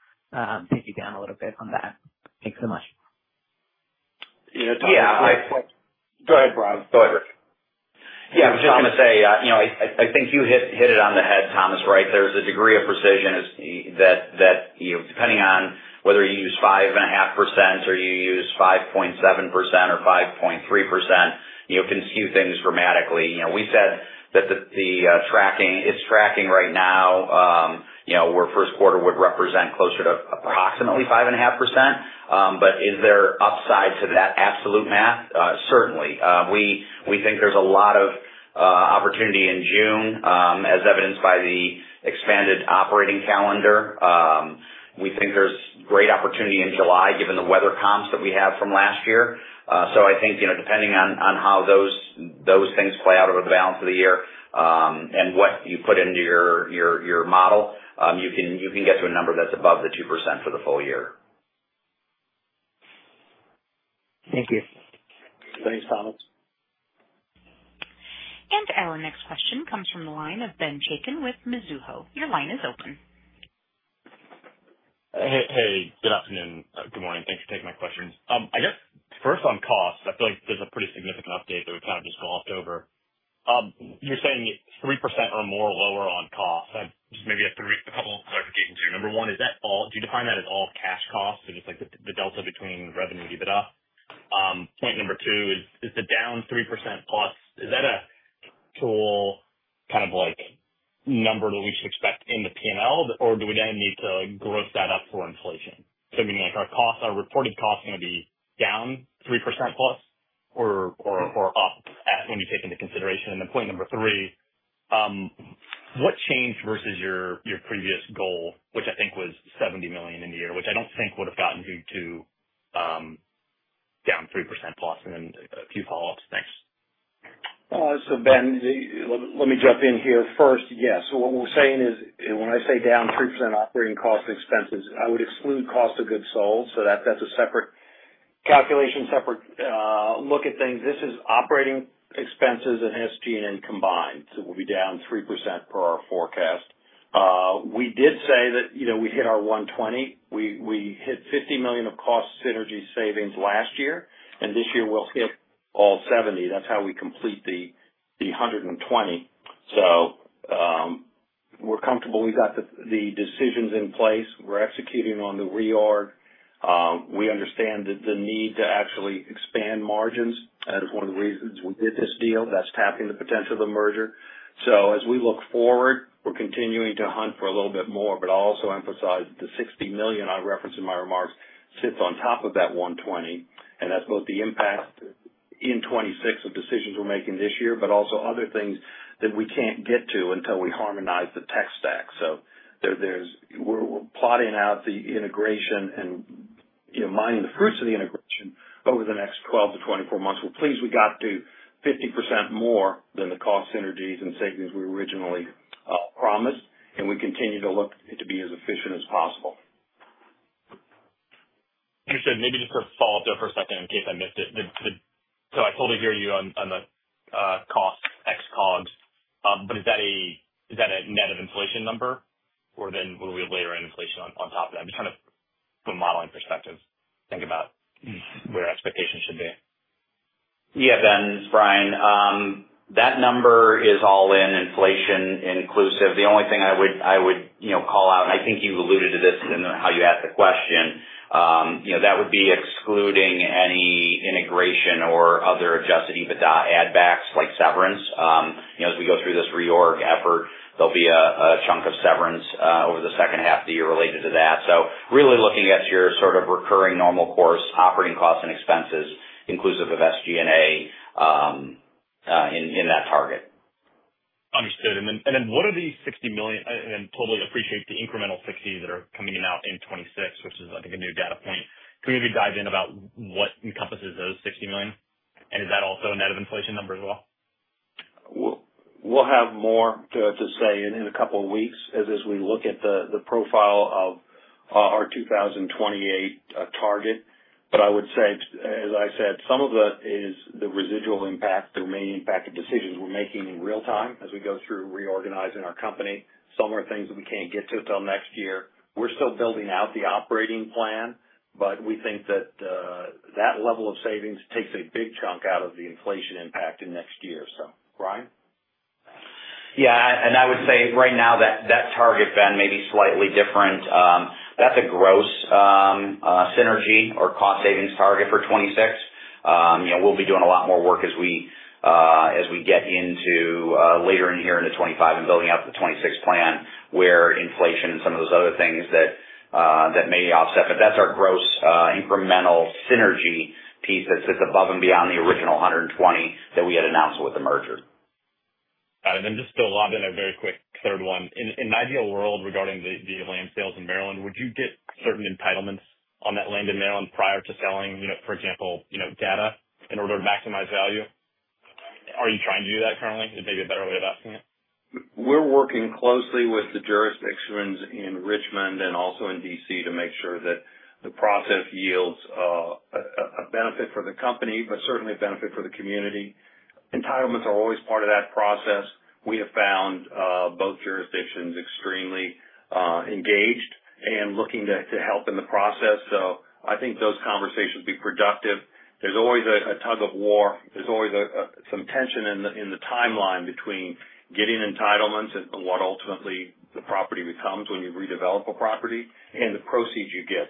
take you down a little bit on that? Thanks so much. Yeah. Go ahead, Brian. Go ahead, Richard. Yeah. I was just going to say I think you hit it on the head, Thomas, right? There's a degree of precision that depending on whether you use 5.5% or you use 5.7% or 5.3%, you can skew things dramatically. We said that it's tracking right now where first quarter would represent closer to approximately 5.5%. Is there upside to that absolute math? Certainly. We think there's a lot of opportunity in June, as evidenced by the expanded operating calendar. We think there's great opportunity in July given the weather comps that we have from last year. I think depending on how those things play out over the balance of the year and what you put into your model, you can get to a number that's above the 2% for the full year. Thank you. Thanks, Thomas. Our next question comes from the line of Ben Chaiken with Mizuho. Your line is open. Hey. Good afternoon. Good morning. Thanks for taking my questions. I guess first on cost, I feel like there's a pretty significant update that we kind of just glossed over. You're saying 3% or more lower on cost. I just maybe have a couple of clarifications here. Number one, is that all—do you define that as all cash costs or just the delta between revenue dividend? Point number two is the down 3% plus, is that an actual kind of number that we should expect in the P&L, or do we then need to gross that up for inflation? So meaning our reported cost is going to be down 3% plus or up when you take into consideration. And then point number three, what changed versus your previous goal, which I think was $70 million in the year, which I don't think would have gotten you to down 3% plus? And then a few follow-ups. Thanks. Ben, let me jump in here first. Yes. What we're saying is when I say down 3% operating cost and expenses, I would exclude cost of goods sold. That's a separate calculation, separate look at things. This is operating expenses and SG&A combined. We'll be down 3% per our forecast. We did say that we hit our 120. We hit $50 million of cost synergy savings last year, and this year we'll hit all 70. That's how we complete the 120. We're comfortable. We've got the decisions in place. We're executing on the reorg. We understand the need to actually expand margins as one of the reasons we did this deal. That's tapping the potential of the merger. As we look forward, we're continuing to hunt for a little bit more, but I'll also emphasize the $60 million I referenced in my remarks sits on top of that $120 million, and that's both the impact in 2026 of decisions we're making this year, but also other things that we can't get to until we harmonize the tech stack. We're plotting out the integration and mining the fruits of the integration over the next 12-24 months. Please, we got to 50% more than the cost synergies and savings we originally promised, and we continue to look to be as efficient as possible. Richard, maybe just a follow-up there for a second in case I missed it. I totally hear you on the cost ex-cogs, but is that a net of inflation number, or then will we have layer-in inflation on top of that? I'm just trying to, from a modeling perspective, think about where expectations should be. Yeah, Ben, it's Brian. That number is all in, inflation inclusive. The only thing I would call out, and I think you alluded to this in how you asked the question, that would be excluding any integration or other adjusted EBITDA add-backs like severance. As we go through this reorg effort, there'll be a chunk of severance over the second half of the year related to that. Really looking at your sort of recurring normal course, operating costs and expenses inclusive of SG&A in that target. Understood. What are these $60 million? I totally appreciate the incremental $60 million that are coming out in 2026, which is, I think, a new data point. Can we maybe dive in about what encompasses those $60 million? Is that also a net of inflation number as well? We'll have more to say in a couple of weeks as we look at the profile of our 2028 target. I would say, as I said, some of it is the residual impact, the remaining impact of decisions we're making in real time as we go through reorganizing our company. Some are things that we can't get to until next year. We're still building out the operating plan, but we think that that level of savings takes a big chunk out of the inflation impact in next year. Brian? Yeah. I would say right now that target, Ben, may be slightly different. That's a gross synergy or cost savings target for 2026. We'll be doing a lot more work as we get into later in here into 2025 and building out the 2026 plan where inflation and some of those other things that may offset. That's our gross incremental synergy piece that sits above and beyond the original 120 that we had announced with the merger. Got it. And then just to lob in a very quick third one. In an ideal world regarding the land sales in Maryland, would you get certain entitlements on that land in Maryland prior to selling, for example, data in order to maximize value? Are you trying to do that currently? It may be a better way of asking it. We're working closely with the jurisdictions in Richmond and also in DC to make sure that the process yields a benefit for the company, but certainly a benefit for the community. Entitlements are always part of that process. We have found both jurisdictions extremely engaged and looking to help in the process. I think those conversations would be productive. There's always a tug of war. There's always some tension in the timeline between getting entitlements and what ultimately the property becomes when you redevelop a property and the proceeds you get.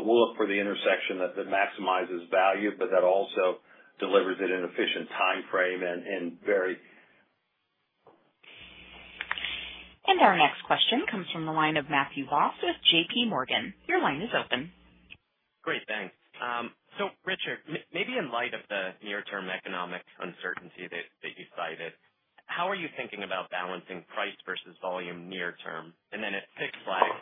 We'll look for the intersection that maximizes value, but that also delivers it in an efficient timeframe and very. Our next question comes from the line of Matthew Voss with JP Morgan. Your line is open. Great. Thanks. Richard, maybe in light of the near-term economic uncertainty that you cited, how are you thinking about balancing price versus volume near-term? At Six Flags,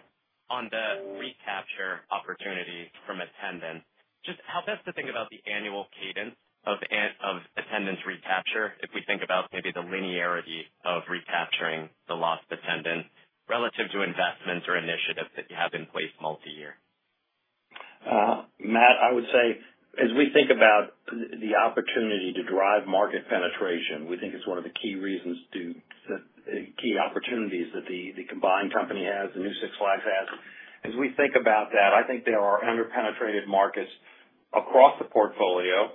on the recapture opportunity from attendance, just how best to think about the annual cadence of attendance recapture if we think about maybe the linearity of recapturing the lost attendance relative to investments or initiatives that you have in place multi-year? Matt, I would say as we think about the opportunity to drive market penetration, we think it's one of the key reasons, key opportunities that the combined company has and new Six Flags has. As we think about that, I think there are under-penetrated markets across the portfolio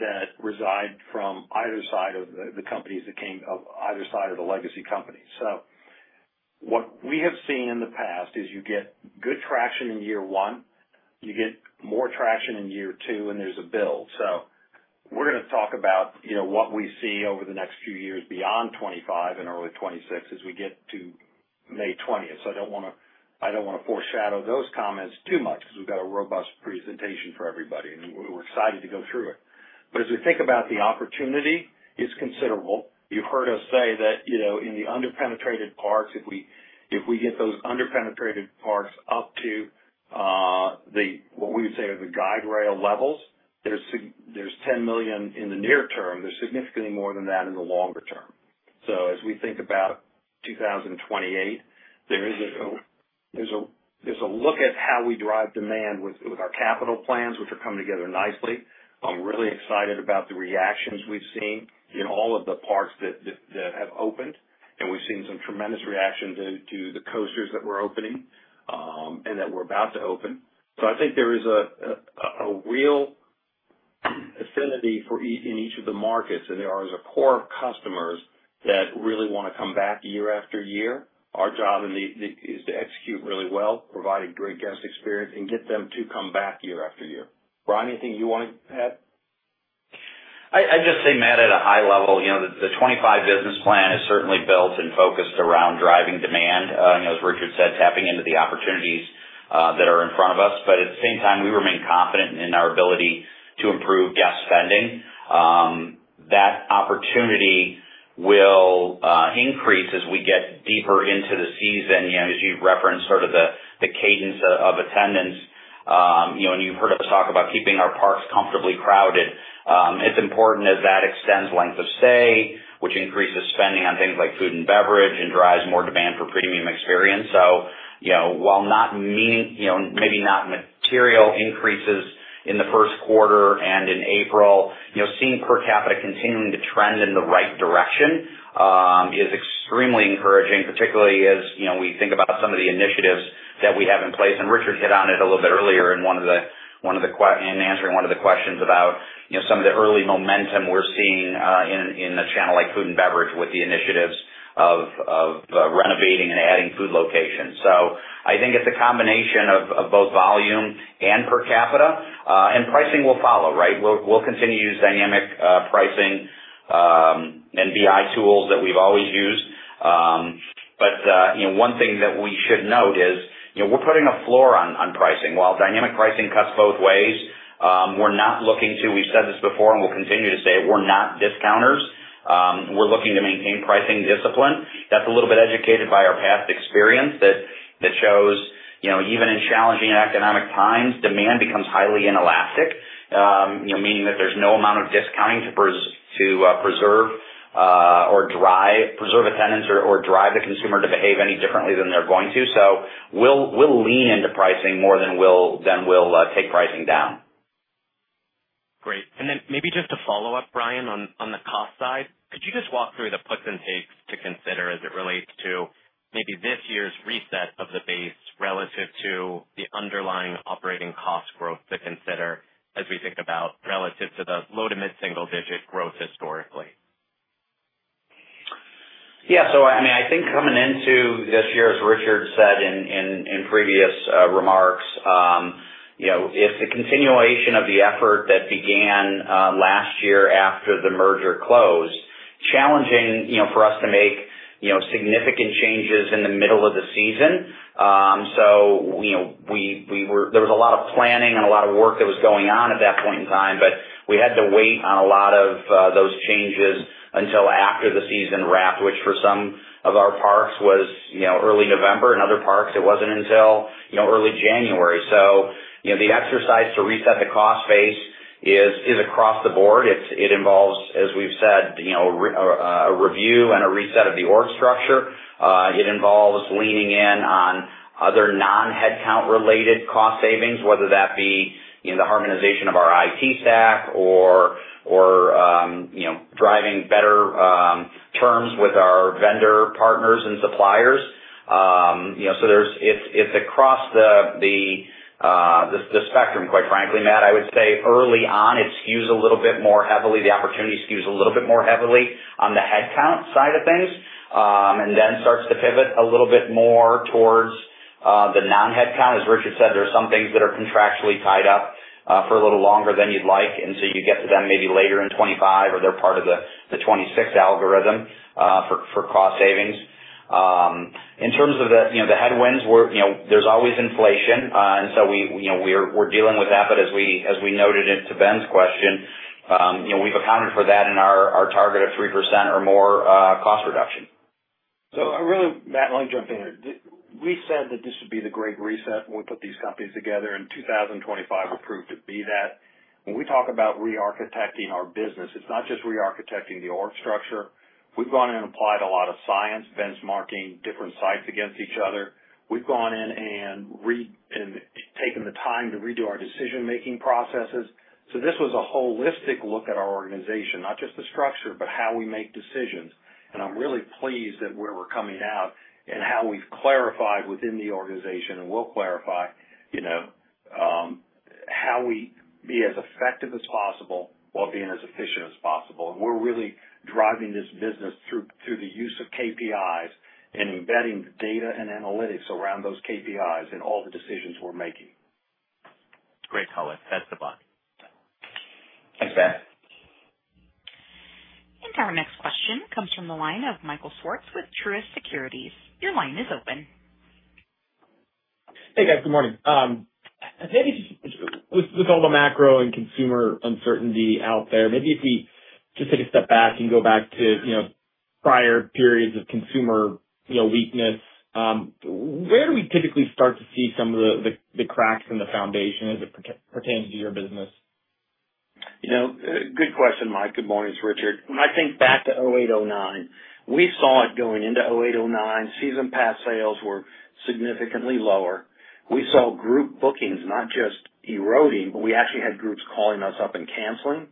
that reside from either side of the companies that came from either side of the legacy companies. What we have seen in the past is you get good traction in year one, you get more traction in year two, and there's a build. We are going to talk about what we see over the next few years beyond 2025 and early 2026 as we get to May 20. I do not want to foreshadow those comments too much because we have a robust presentation for everybody, and we are excited to go through it. As we think about the opportunity, it's considerable. You've heard us say that in the under-penetrated parks, if we get those under-penetrated parks up to what we would say are the guide rail levels, there's $10 million in the near term. There's significantly more than that in the longer term. As we think about 2028, there's a look at how we drive demand with our capital plans, which are coming together nicely. I'm really excited about the reactions we've seen in all of the parks that have opened, and we've seen some tremendous reaction to the coasters that we're opening and that we're about to open. I think there is a real affinity in each of the markets, and there are core customers that really want to come back year after year. Our job is to execute really well, provide a great guest experience, and get them to come back year after year. Brian, anything you want to add? I'd just say, Matt, at a high level, the 2025 business plan is certainly built and focused around driving demand, as Richard said, tapping into the opportunities that are in front of us. At the same time, we remain confident in our ability to improve guest spending. That opportunity will increase as we get deeper into the season, as you referenced sort of the cadence of attendance. You have heard us talk about keeping our parks comfortably crowded. It is important as that extends length of stay, which increases spending on things like food and beverage and drives more demand for premium experience. While not meaning maybe not material increases in the first quarter and in April, seeing per capita continuing to trend in the right direction is extremely encouraging, particularly as we think about some of the initiatives that we have in place. Richard hit on it a little bit earlier in answering one of the questions about some of the early momentum we're seeing in a channel like food and beverage with the initiatives of renovating and adding food locations. I think it's a combination of both volume and per capita, and pricing will follow, right? We'll continue to use dynamic pricing and BI tools that we've always used. One thing that we should note is we're putting a floor on pricing. While dynamic pricing cuts both ways, we're not looking to—we've said this before and we'll continue to say—we're not discounters. We're looking to maintain pricing discipline. That's a little bit educated by our past experience that shows even in challenging economic times, demand becomes highly inelastic, meaning that there's no amount of discounting to preserve or preserve attendance or drive the consumer to behave any differently than they're going to. So we'll lean into pricing more than we'll take pricing down. Great. And then maybe just to follow up, Brian, on the cost side, could you just walk through the puts and takes to consider as it relates to maybe this year's reset of the base relative to the underlying operating cost growth to consider as we think about relative to the low to mid-single-digit growth historically? Yeah. So I mean, I think coming into this year, as Richard said in previous remarks, it's a continuation of the effort that began last year after the merger closed, challenging for us to make significant changes in the middle of the season. There was a lot of planning and a lot of work that was going on at that point in time, but we had to wait on a lot of those changes until after the season wrapped, which for some of our parks was early November. In other parks, it was not until early January. The exercise to reset the cost base is across the board. It involves, as we have said, a review and a reset of the org structure. It involves leaning in on other non-headcount-related cost savings, whether that be the harmonization of our IT stack or driving better terms with our vendor partners and suppliers. It is across the spectrum, quite frankly. Matt, I would say early on, it skews a little bit more heavily. The opportunity skews a little bit more heavily on the headcount side of things and then starts to pivot a little bit more towards the non-headcount. As Richard said, there are some things that are contractually tied up for a little longer than you would like, and you get to them maybe later in 2025, or they are part of the 2026 algorithm for cost savings. In terms of the headwinds, there is always inflation, and we are dealing with that. As we noted to Ben's question, we have accounted for that in our target of 3% or more cost reduction. Really, Matt, let me jump in here. We said that this would be the great reset when we put these companies together, and 2025 proved to be that. When we talk about rearchitecting our business, it's not just rearchitecting the org structure. We've gone in and applied a lot of science, benchmarking different sites against each other. We've gone in and taken the time to redo our decision-making processes. This was a holistic look at our organization, not just the structure, but how we make decisions. I'm really pleased that where we're coming out and how we've clarified within the organization and will clarify how we be as effective as possible while being as efficient as possible. We're really driving this business through the use of KPIs and embedding the data and analytics around those KPIs in all the decisions we're making. Great, Colin. Thanks a lot. Thanks, Ben. Our next question comes from the line of Michael Swartz with Truist Securities. Your line is open. Hey, guys. Good morning. Maybe just with all the macro and consumer uncertainty out there, maybe if we just take a step back and go back to prior periods of consumer weakness, where do we typically start to see some of the cracks in the foundation as it pertains to your business? Good question, Mike. Good morning, it's Richard. When I think back to 2008, 2009, we saw it going into 2008, 2009, season pass sales were significantly lower. We saw group bookings not just eroding, but we actually had groups calling us up and canceling.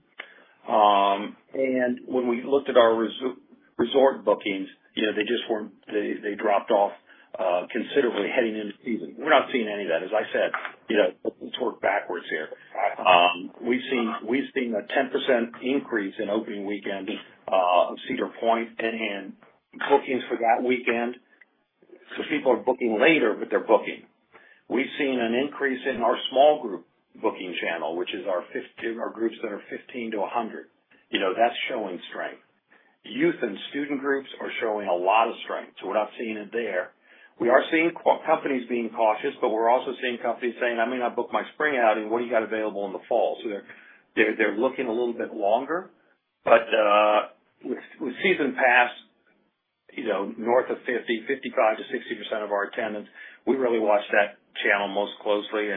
And when we looked at our resort bookings, they dropped off considerably heading into the season. We're not seeing any of that. As I said, let's work backwards here. We've seen a 10% increase in opening weekends of Cedar Point and bookings for that weekend. So people are booking later, but they're booking. We've seen an increase in our small group booking channel, which is our groups that are 15-100. That's showing strength. Youth and student groups are showing a lot of strength. So we're not seeing it there. We are seeing companies being cautious, but we're also seeing companies saying, "I may not book my spring outing. What do you got available in the fall?" They are looking a little bit longer. With season pass north of 50%, 55%-60% of our attendance, we really watch that channel most closely.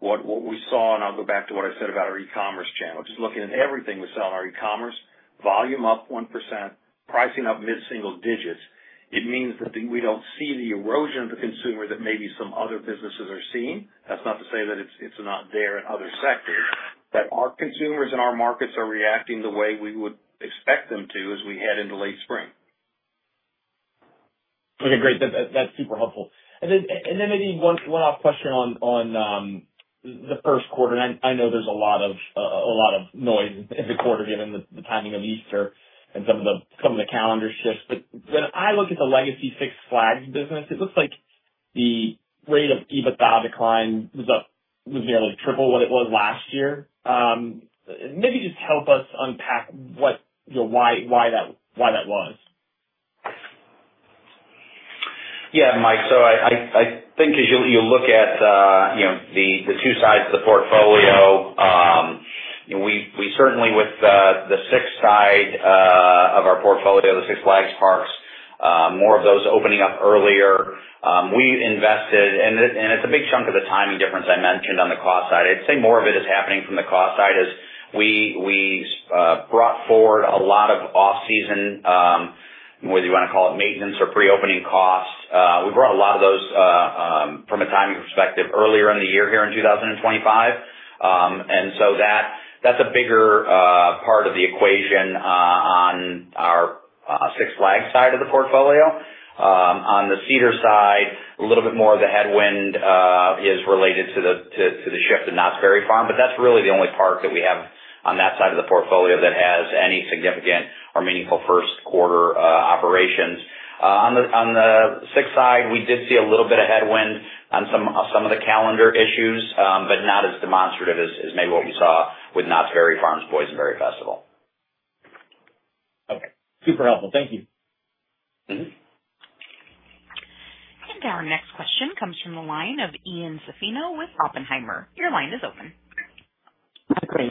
What we saw—and I'll go back to what I said about our e-commerce channel—just looking at everything we sell in our e-commerce, volume up 1%, pricing up mid-single digits, it means that we do not see the erosion of the consumer that maybe some other businesses are seeing. That is not to say that it is not there in other sectors, but our consumers and our markets are reacting the way we would expect them to as we head into late spring. Okay. Great. That's super helpful. Maybe one off question on the first quarter. I know there's a lot of noise in the quarter given the timing of Easter and some of the calendar shifts. When I look at the legacy Six Flags business, it looks like the rate of EBITDA decline was nearly triple what it was last year. Maybe just help us unpack why that was. Yeah, Mike. I think as you look at the two sides of the portfolio, we certainly, with the Six side of our portfolio, the Six Flags parks, more of those opening up earlier. We invested, and it's a big chunk of the timing difference I mentioned on the cost side. I'd say more of it is happening from the cost side as we brought forward a lot of off-season, whether you want to call it maintenance or pre-opening costs. We brought a lot of those from a timing perspective earlier in the year here in 2025. That is a bigger part of the equation on our Six Flags side of the portfolio. On the Cedar side, a little bit more of the headwind is related to the shift to Knott's Berry Farm, but that's really the only park that we have on that side of the portfolio that has any significant or meaningful first quarter operations. On the Six side, we did see a little bit of headwind on some of the calendar issues, but not as demonstrative as maybe what we saw with Knott's Berry Farm's Boysenberry Festival. Okay. Super helpful. Thank you. Our next question comes from the line of Ian Zaffino with Oppenheimer. Your line is open. Hi, Craig.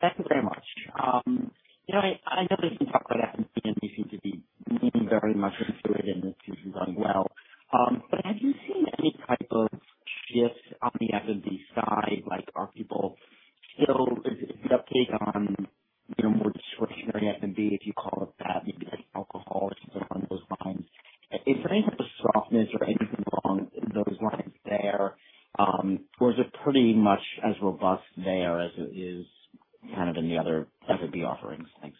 Thank you very much. I know that you talked about F&B, and you seem to be leaning very much into it, and it seems to be going well. Have you seen any type of shift on the F&B side? Are people still—is the uptake on more discretionary F&B, if you call it that, maybe like alcohol or something along those lines? Is there any type of softness or anything along those lines there? Is it pretty much as robust there as it is kind of in the other F&B offerings? Thanks.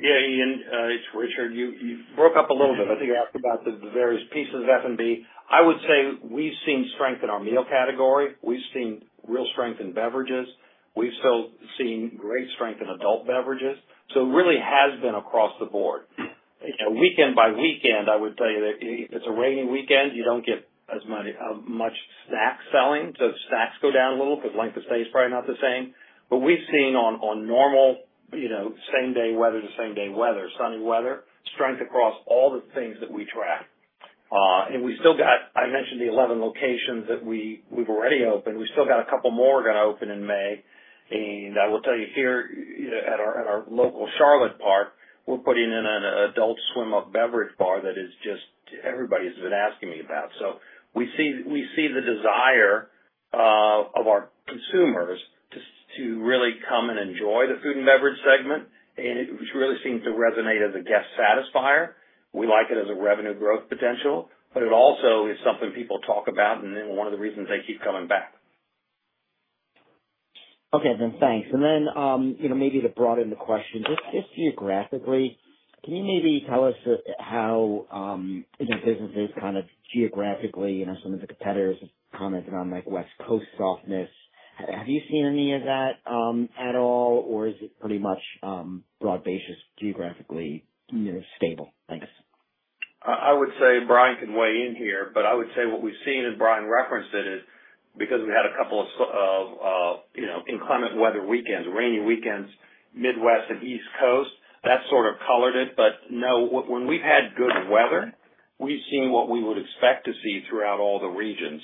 Yeah, Ian, it's Richard. You broke up a little bit. I think you asked about the various pieces of F&B. I would say we've seen strength in our meal category. We've seen real strength in beverages. We've still seen great strength in adult beverages. It really has been across the board. Weekend by weekend, I would tell you that if it's a rainy weekend, you don't get as much snack selling. Snacks go down a little because length of stay is probably not the same. We've seen on normal same-day weather to same-day weather, sunny weather, strength across all the things that we track. I mentioned the 11 locations that we've already opened. We still got a couple more we're going to open in May. I will tell you here at our local Charlotte park, we're putting in an adult swim-up beverage bar that everybody has been asking me about. We see the desire of our consumers to really come and enjoy the food and beverage segment. It really seems to resonate as a guest satisfier. We like it as a revenue growth potential, but it also is something people talk about, and one of the reasons they keep coming back. Okay. Thanks. Maybe to broaden the question, just geographically, can you maybe tell us how businesses kind of geographically—some of the competitors have commented on West Coast softness—have you seen any of that at all, or is it pretty much broad-based just geographically stable? Thanks. I would say Brian can weigh in here, but I would say what we've seen, and Brian referenced it, is because we had a couple of inclement weather weekends, rainy weekends, Midwest and East Coast, that sort of colored it. No, when we've had good weather, we've seen what we would expect to see throughout all the regions.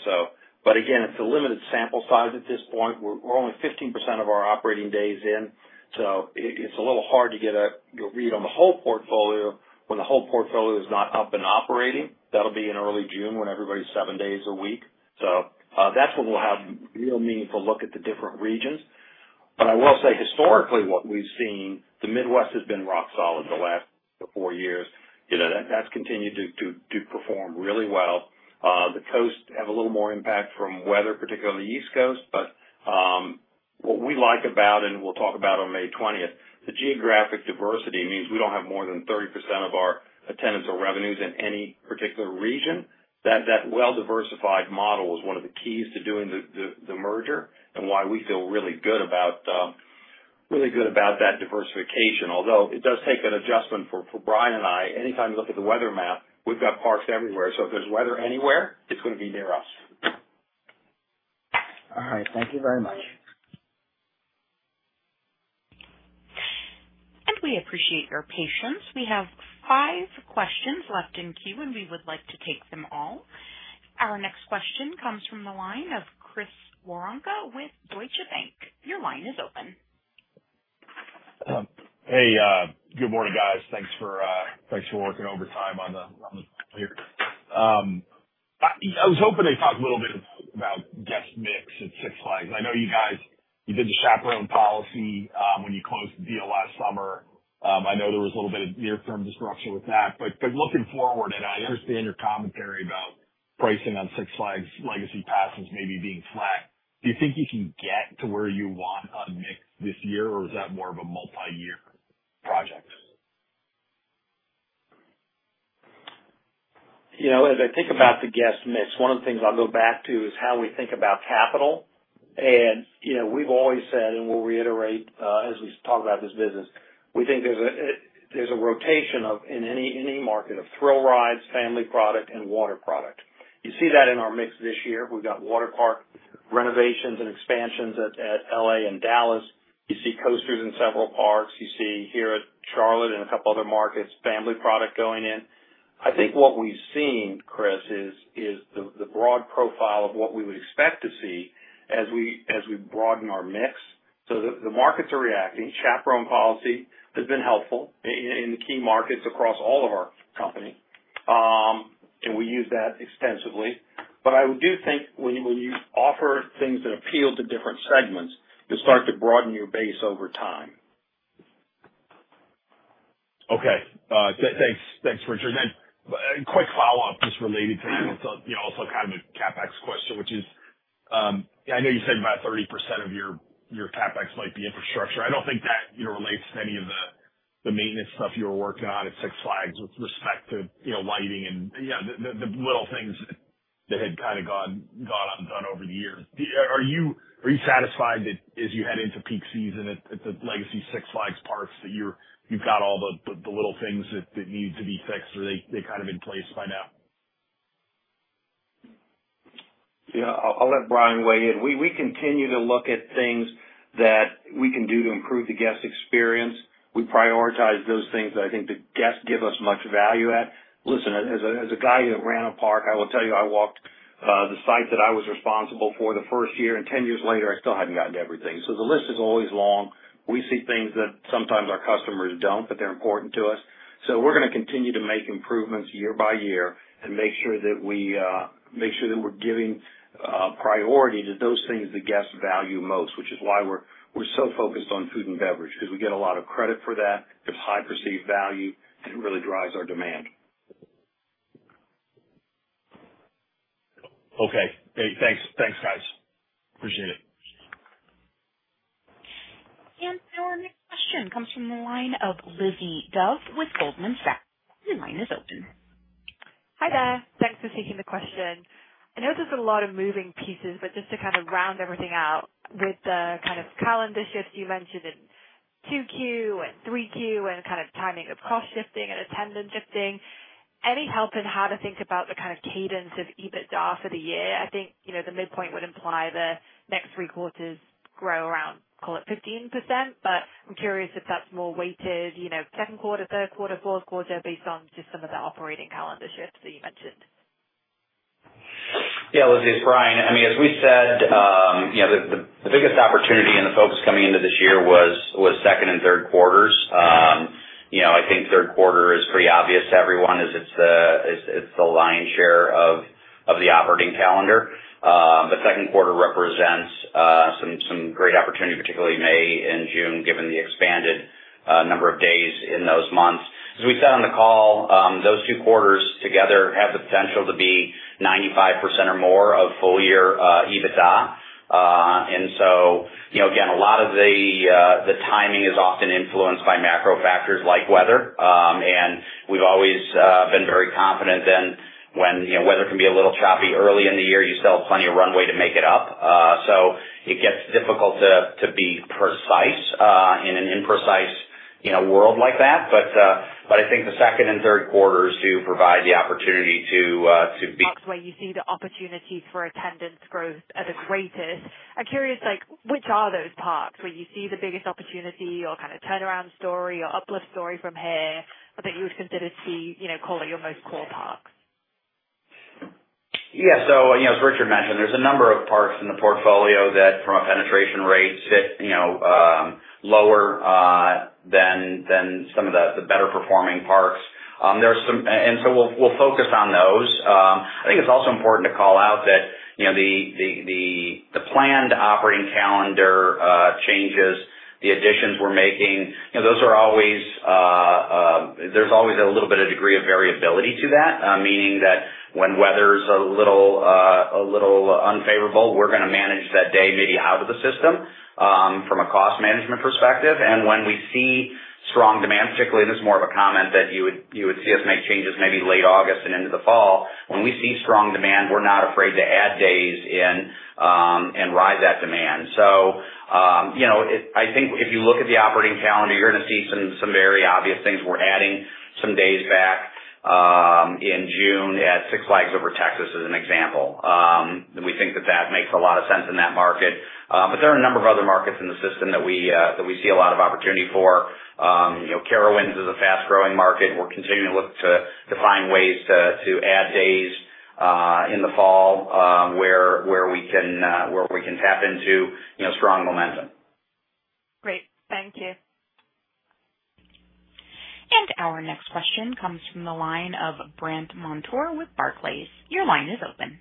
Again, it's a limited sample size at this point. We're only 15% of our operating days in. It's a little hard to get a read on the whole portfolio when the whole portfolio is not up and operating. That'll be in early June when everybody's seven days a week. That's when we'll have a real meaningful look at the different regions. I will say historically, what we've seen, the Midwest has been rock solid the last four years. That's continued to perform really well. The coast has a little more impact from weather, particularly the East Coast. What we like about, and we'll talk about on May 20th, the geographic diversity means we don't have more than 30% of our attendance or revenues in any particular region. That well-diversified model was one of the keys to doing the merger and why we feel really good about that diversification. Although it does take an adjustment for Brian and I. Anytime you look at the weather map, we've got parks everywhere. If there's weather anywhere, it's going to be near us. All right. Thank you very much. We appreciate your patience. We have five questions left in queue, and we would like to take them all. Our next question comes from the line of Chris Woronka with Deutsche Bank. Your line is open. Hey, good morning, guys. Thanks for working overtime on the call here. I was hoping they'd talk a little bit about guest mix at Six Flags. I know you guys—you did the chaperone policy when you closed the deal last summer. I know there was a little bit of near-term disruption with that. Looking forward, and I understand your commentary about pricing on Six Flags' legacy passes maybe being flat, do you think you can get to where you want on mix this year, or is that more of a multi-year project? As I think about the guest mix, one of the things I'll go back to is how we think about capital. We've always said, and we'll reiterate as we talk about this business, we think there's a rotation in any market of thrill rides, family product, and water product. You see that in our mix this year. We've got water park renovations and expansions at LA and Dallas. You see coasters in several parks. You see here at Charlotte and a couple other markets, family product going in. I think what we've seen, Chris, is the broad profile of what we would expect to see as we broaden our mix. The markets are reacting. Chaperone policy has been helpful in the key markets across all of our company, and we use that extensively. I do think when you offer things that appeal to different segments, you'll start to broaden your base over time. Okay. Thanks, Richard. Quick follow-up just related to also kind of a CapEx question, which is I know you said about 30% of your CapEx might be infrastructure. I do not think that relates to any of the maintenance stuff you were working on at Six Flags with respect to lighting and, yeah, the little things that had kind of gone undone over the years. Are you satisfied that as you head into peak season at the legacy Six Flags parks that you have got all the little things that need to be fixed, or are they kind of in place by now? Yeah. I'll let Brian weigh in. We continue to look at things that we can do to improve the guest experience. We prioritize those things that I think the guests give us much value at. Listen, as a guy who ran a park, I will tell you I walked the site that I was responsible for the first year, and 10 years later, I still hadn't gotten everything. The list is always long. We see things that sometimes our customers do not, but they're important to us. We are going to continue to make improvements year by year and make sure that we're giving priority to those things the guests value most, which is why we're so focused on food and beverage because we get a lot of credit for that. It's high perceived value, and it really drives our demand. Okay. Hey, thanks, guys. Appreciate it. Our next question comes from the line of Lizzie Dove with Goldman Sachs. Your line is open. Hi there. Thanks for taking the question. I know there's a lot of moving pieces, but just to kind of round everything out with the kind of calendar shifts you mentioned in Q2 and 3Q and kind of timing of cost shifting and attendance shifting, any help in how to think about the kind of cadence of EBITDA for the year? I think the midpoint would imply the next three quarters grow around, call it 15%, but I'm curious if that's more weighted second quarter, third quarter, fourth quarter based on just some of the operating calendar shifts that you mentioned. Yeah, Lizzie, it's Brian. I mean, as we said, the biggest opportunity and the focus coming into this year was second and third quarters. I think third quarter is pretty obvious to everyone as it's the lion's share of the operating calendar. Second quarter represents some great opportunity, particularly May and June, given the expanded number of days in those months. As we said on the call, those two quarters together have the potential to be 95% or more of full-year EBITDA. Again, a lot of the timing is often influenced by macro factors like weather. We've always been very confident that when weather can be a little choppy early in the year, you still have plenty of runway to make it up. It gets difficult to be precise in an imprecise world like that. I think the second and third quarters do provide the opportunity to. Parks where you see the opportunity for attendance growth at the greatest. I'm curious, which are those parks where you see the biggest opportunity or kind of turnaround story or uplift story from here that you would consider to be, call it, your most core parks? Yeah. As Richard mentioned, there's a number of parks in the portfolio that, from a penetration rate, sit lower than some of the better-performing parks. We will focus on those. I think it's also important to call out that the planned operating calendar changes, the additions we're making, those are always—there's always a little bit of degree of variability to that, meaning that when weather's a little unfavorable, we're going to manage that day maybe out of the system from a cost management perspective. When we see strong demand, particularly—and this is more of a comment that you would see us make changes maybe late August and into the fall—when we see strong demand, we're not afraid to add days in and ride that demand. I think if you look at the operating calendar, you're going to see some very obvious things. We're adding some days back in June at Six Flags Over Texas as an example. We think that that makes a lot of sense in that market. There are a number of other markets in the system that we see a lot of opportunity for. Carowinds is a fast-growing market. We're continuing to look to find ways to add days in the fall where we can tap into strong momentum. Great. Thank you. Our next question comes from the line of Brent Montour with Barclays. Your line is open.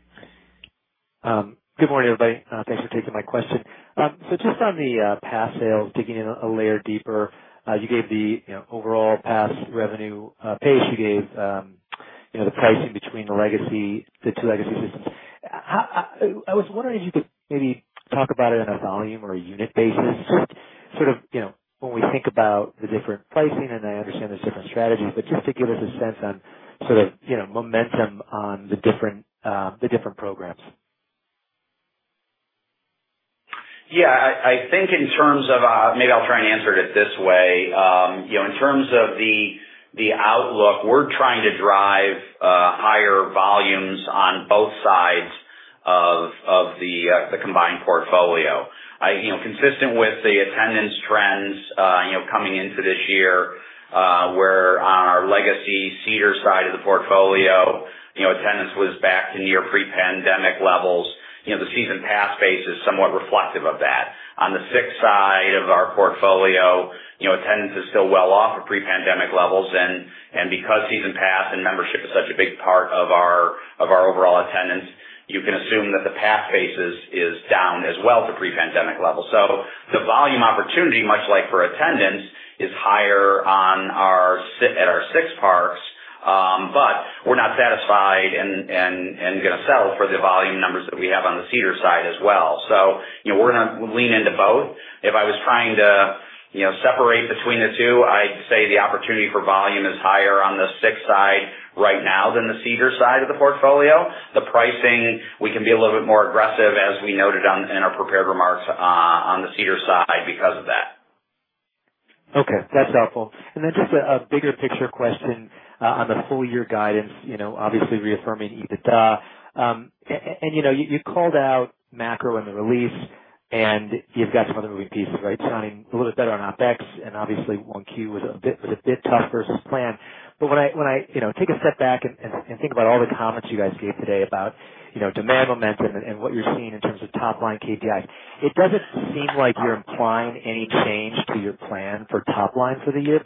Good morning, everybody. Thanks for taking my question. Just on the pass sales, digging in a layer deeper, you gave the overall pass revenue pace. You gave the pricing between the two legacy systems. I was wondering if you could maybe talk about it on a volume or a unit basis, just sort of when we think about the different pricing, and I understand there's different strategies, but just to give us a sense on sort of momentum on the different programs. Yeah. I think in terms of—maybe I'll try and answer it this way. In terms of the outlook, we're trying to drive higher volumes on both sides of the combined portfolio. Consistent with the attendance trends coming into this year where on our legacy Cedar side of the portfolio, attendance was back to near pre-pandemic levels. The season pass base is somewhat reflective of that. On the Six side of our portfolio, attendance is still well off of pre-pandemic levels. And because season pass and membership is such a big part of our overall attendance, you can assume that the pass base is down as well to pre-pandemic levels. So the volume opportunity, much like for attendance, is higher at our Six parks. But we're not satisfied and going to settle for the volume numbers that we have on the Cedar side as well. We're going to lean into both. If I was trying to separate between the two, I'd say the opportunity for volume is higher on the Six side right now than the Cedar side of the portfolio. The pricing, we can be a little bit more aggressive, as we noted in our prepared remarks, on the Cedar side because of that. Okay. That's helpful. Then just a bigger picture question on the full-year guidance, obviously reaffirming EBITDA. You called out macro in the release, and you've got some other moving pieces, right? Sounding a little bit better on OpEx. Obviously, 1Q was a bit tough versus planned. When I take a step back and think about all the comments you guys gave today about demand momentum and what you're seeing in terms of top-line KPIs, it doesn't seem like you're implying any change to your plan for top line for the year.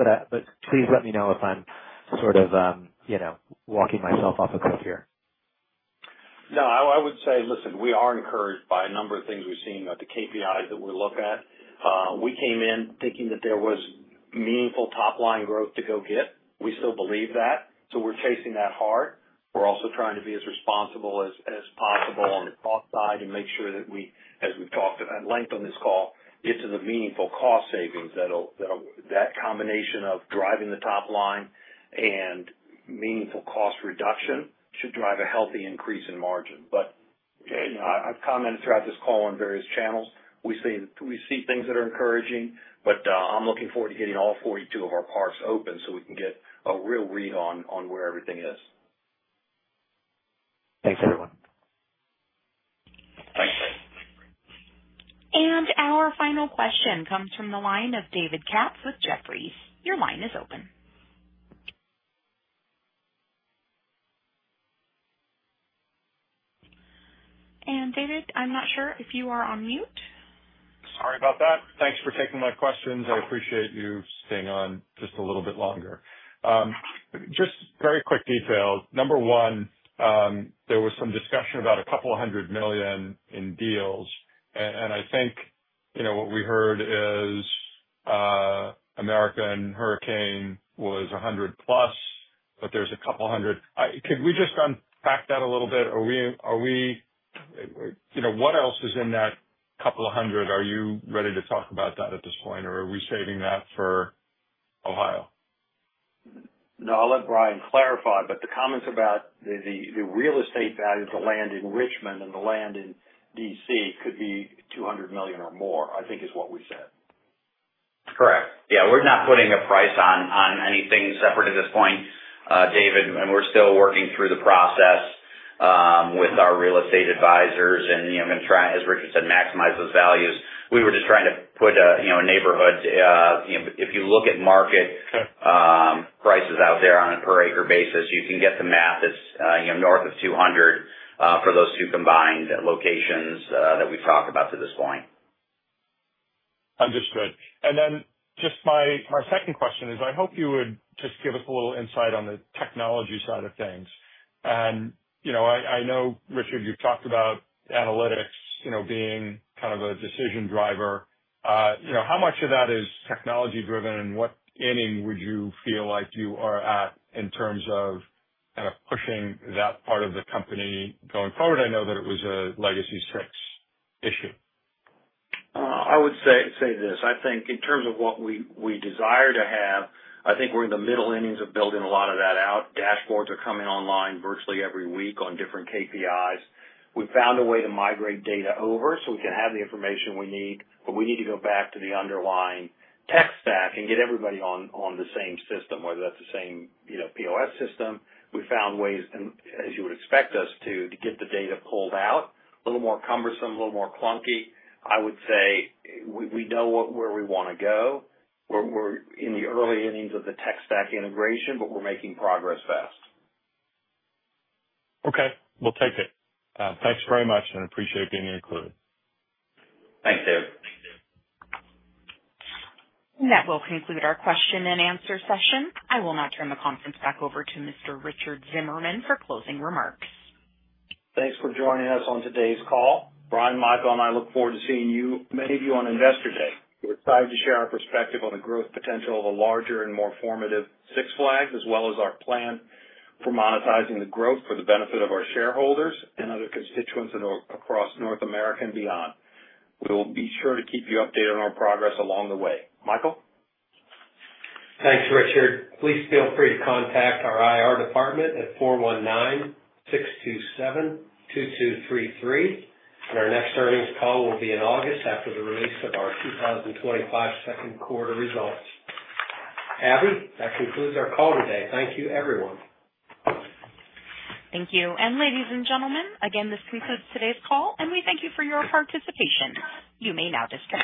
Please let me know if I'm sort of walking myself off a cliff here. No, I would say, listen, we are encouraged by a number of things we've seen with the KPIs that we look at. We came in thinking that there was meaningful top-line growth to go get. We still believe that. We are chasing that hard. We are also trying to be as responsible as possible on the cost side and make sure that we, as we've talked at length on this call, get to the meaningful cost savings. That combination of driving the top line and meaningful cost reduction should drive a healthy increase in margin. I have commented throughout this call on various channels. We see things that are encouraging, but I'm looking forward to getting all 42 of our parks open so we can get a real read on where everything is. Thanks, everyone. Thanks. Our final question comes from the line of David Katz with Jefferies. Your line is open. David, I'm not sure if you are on mute. Sorry about that. Thanks for taking my questions. I appreciate you staying on just a little bit longer. Just very quick details. Number one, there was some discussion about a couple of hundred million in deals. And I think what we heard is American Hurricane was $100 million-plus, but there is a couple of hundred. Could we just unpack that a little bit? What else is in that couple of hundred? Are you ready to talk about that at this point, or are we saving that for Ohio? No, I'll let Brian clarify. The comments about the real estate value of the land in Richmond and the land in DC could be $200 million or more, I think, is what we said. Correct. Yeah. We're not putting a price on anything separate at this point, David. We're still working through the process with our real estate advisors. I'm going to try, as Richard said, to maximize those values. We were just trying to put a neighborhood. If you look at market prices out there on a per-acre basis, you can get the math. It's north of $200,000 for those two combined locations that we've talked about to this point. Understood. Just my second question is I hope you would just give us a little insight on the technology side of things. I know, Richard, you've talked about analytics being kind of a decision driver. How much of that is technology-driven, and what ending would you feel like you are at in terms of kind of pushing that part of the company going forward? I know that it was a legacy Six issue. I would say this. I think in terms of what we desire to have, I think we're in the middle innings of building a lot of that out. Dashboards are coming online virtually every week on different KPIs. We found a way to migrate data over so we can have the information we need, but we need to go back to the underlying tech stack and get everybody on the same system, whether that's the same POS system. We found ways, as you would expect us to, to get the data pulled out. A little more cumbersome, a little more clunky. I would say we know where we want to go. We're in the early innings of the tech stack integration, but we're making progress fast. Okay. We'll take it. Thanks very much, and appreciate being included. Thanks, David. That will conclude our question-and-answer session. I will now turn the conference back over to Mr. Richard Zimmerman for closing remarks. Thanks for joining us on today's call. Brian, Michael, and I look forward to seeing many of you on Investor Day. We're excited to share our perspective on the growth potential of a larger and more formative Six Flags as well as our plan for monetizing the growth for the benefit of our shareholders and other constituents across North America and beyond. We will be sure to keep you updated on our progress along the way. Michael? Thanks, Richard. Please feel free to contact our IR department at 419-627-2233. Our next earnings call will be in August after the release of our 2025 second quarter results. Abby, that concludes our call today. Thank you, everyone. Thank you. Ladies and gentlemen, again, this concludes today's call, and we thank you for your participation. You may now disconnect.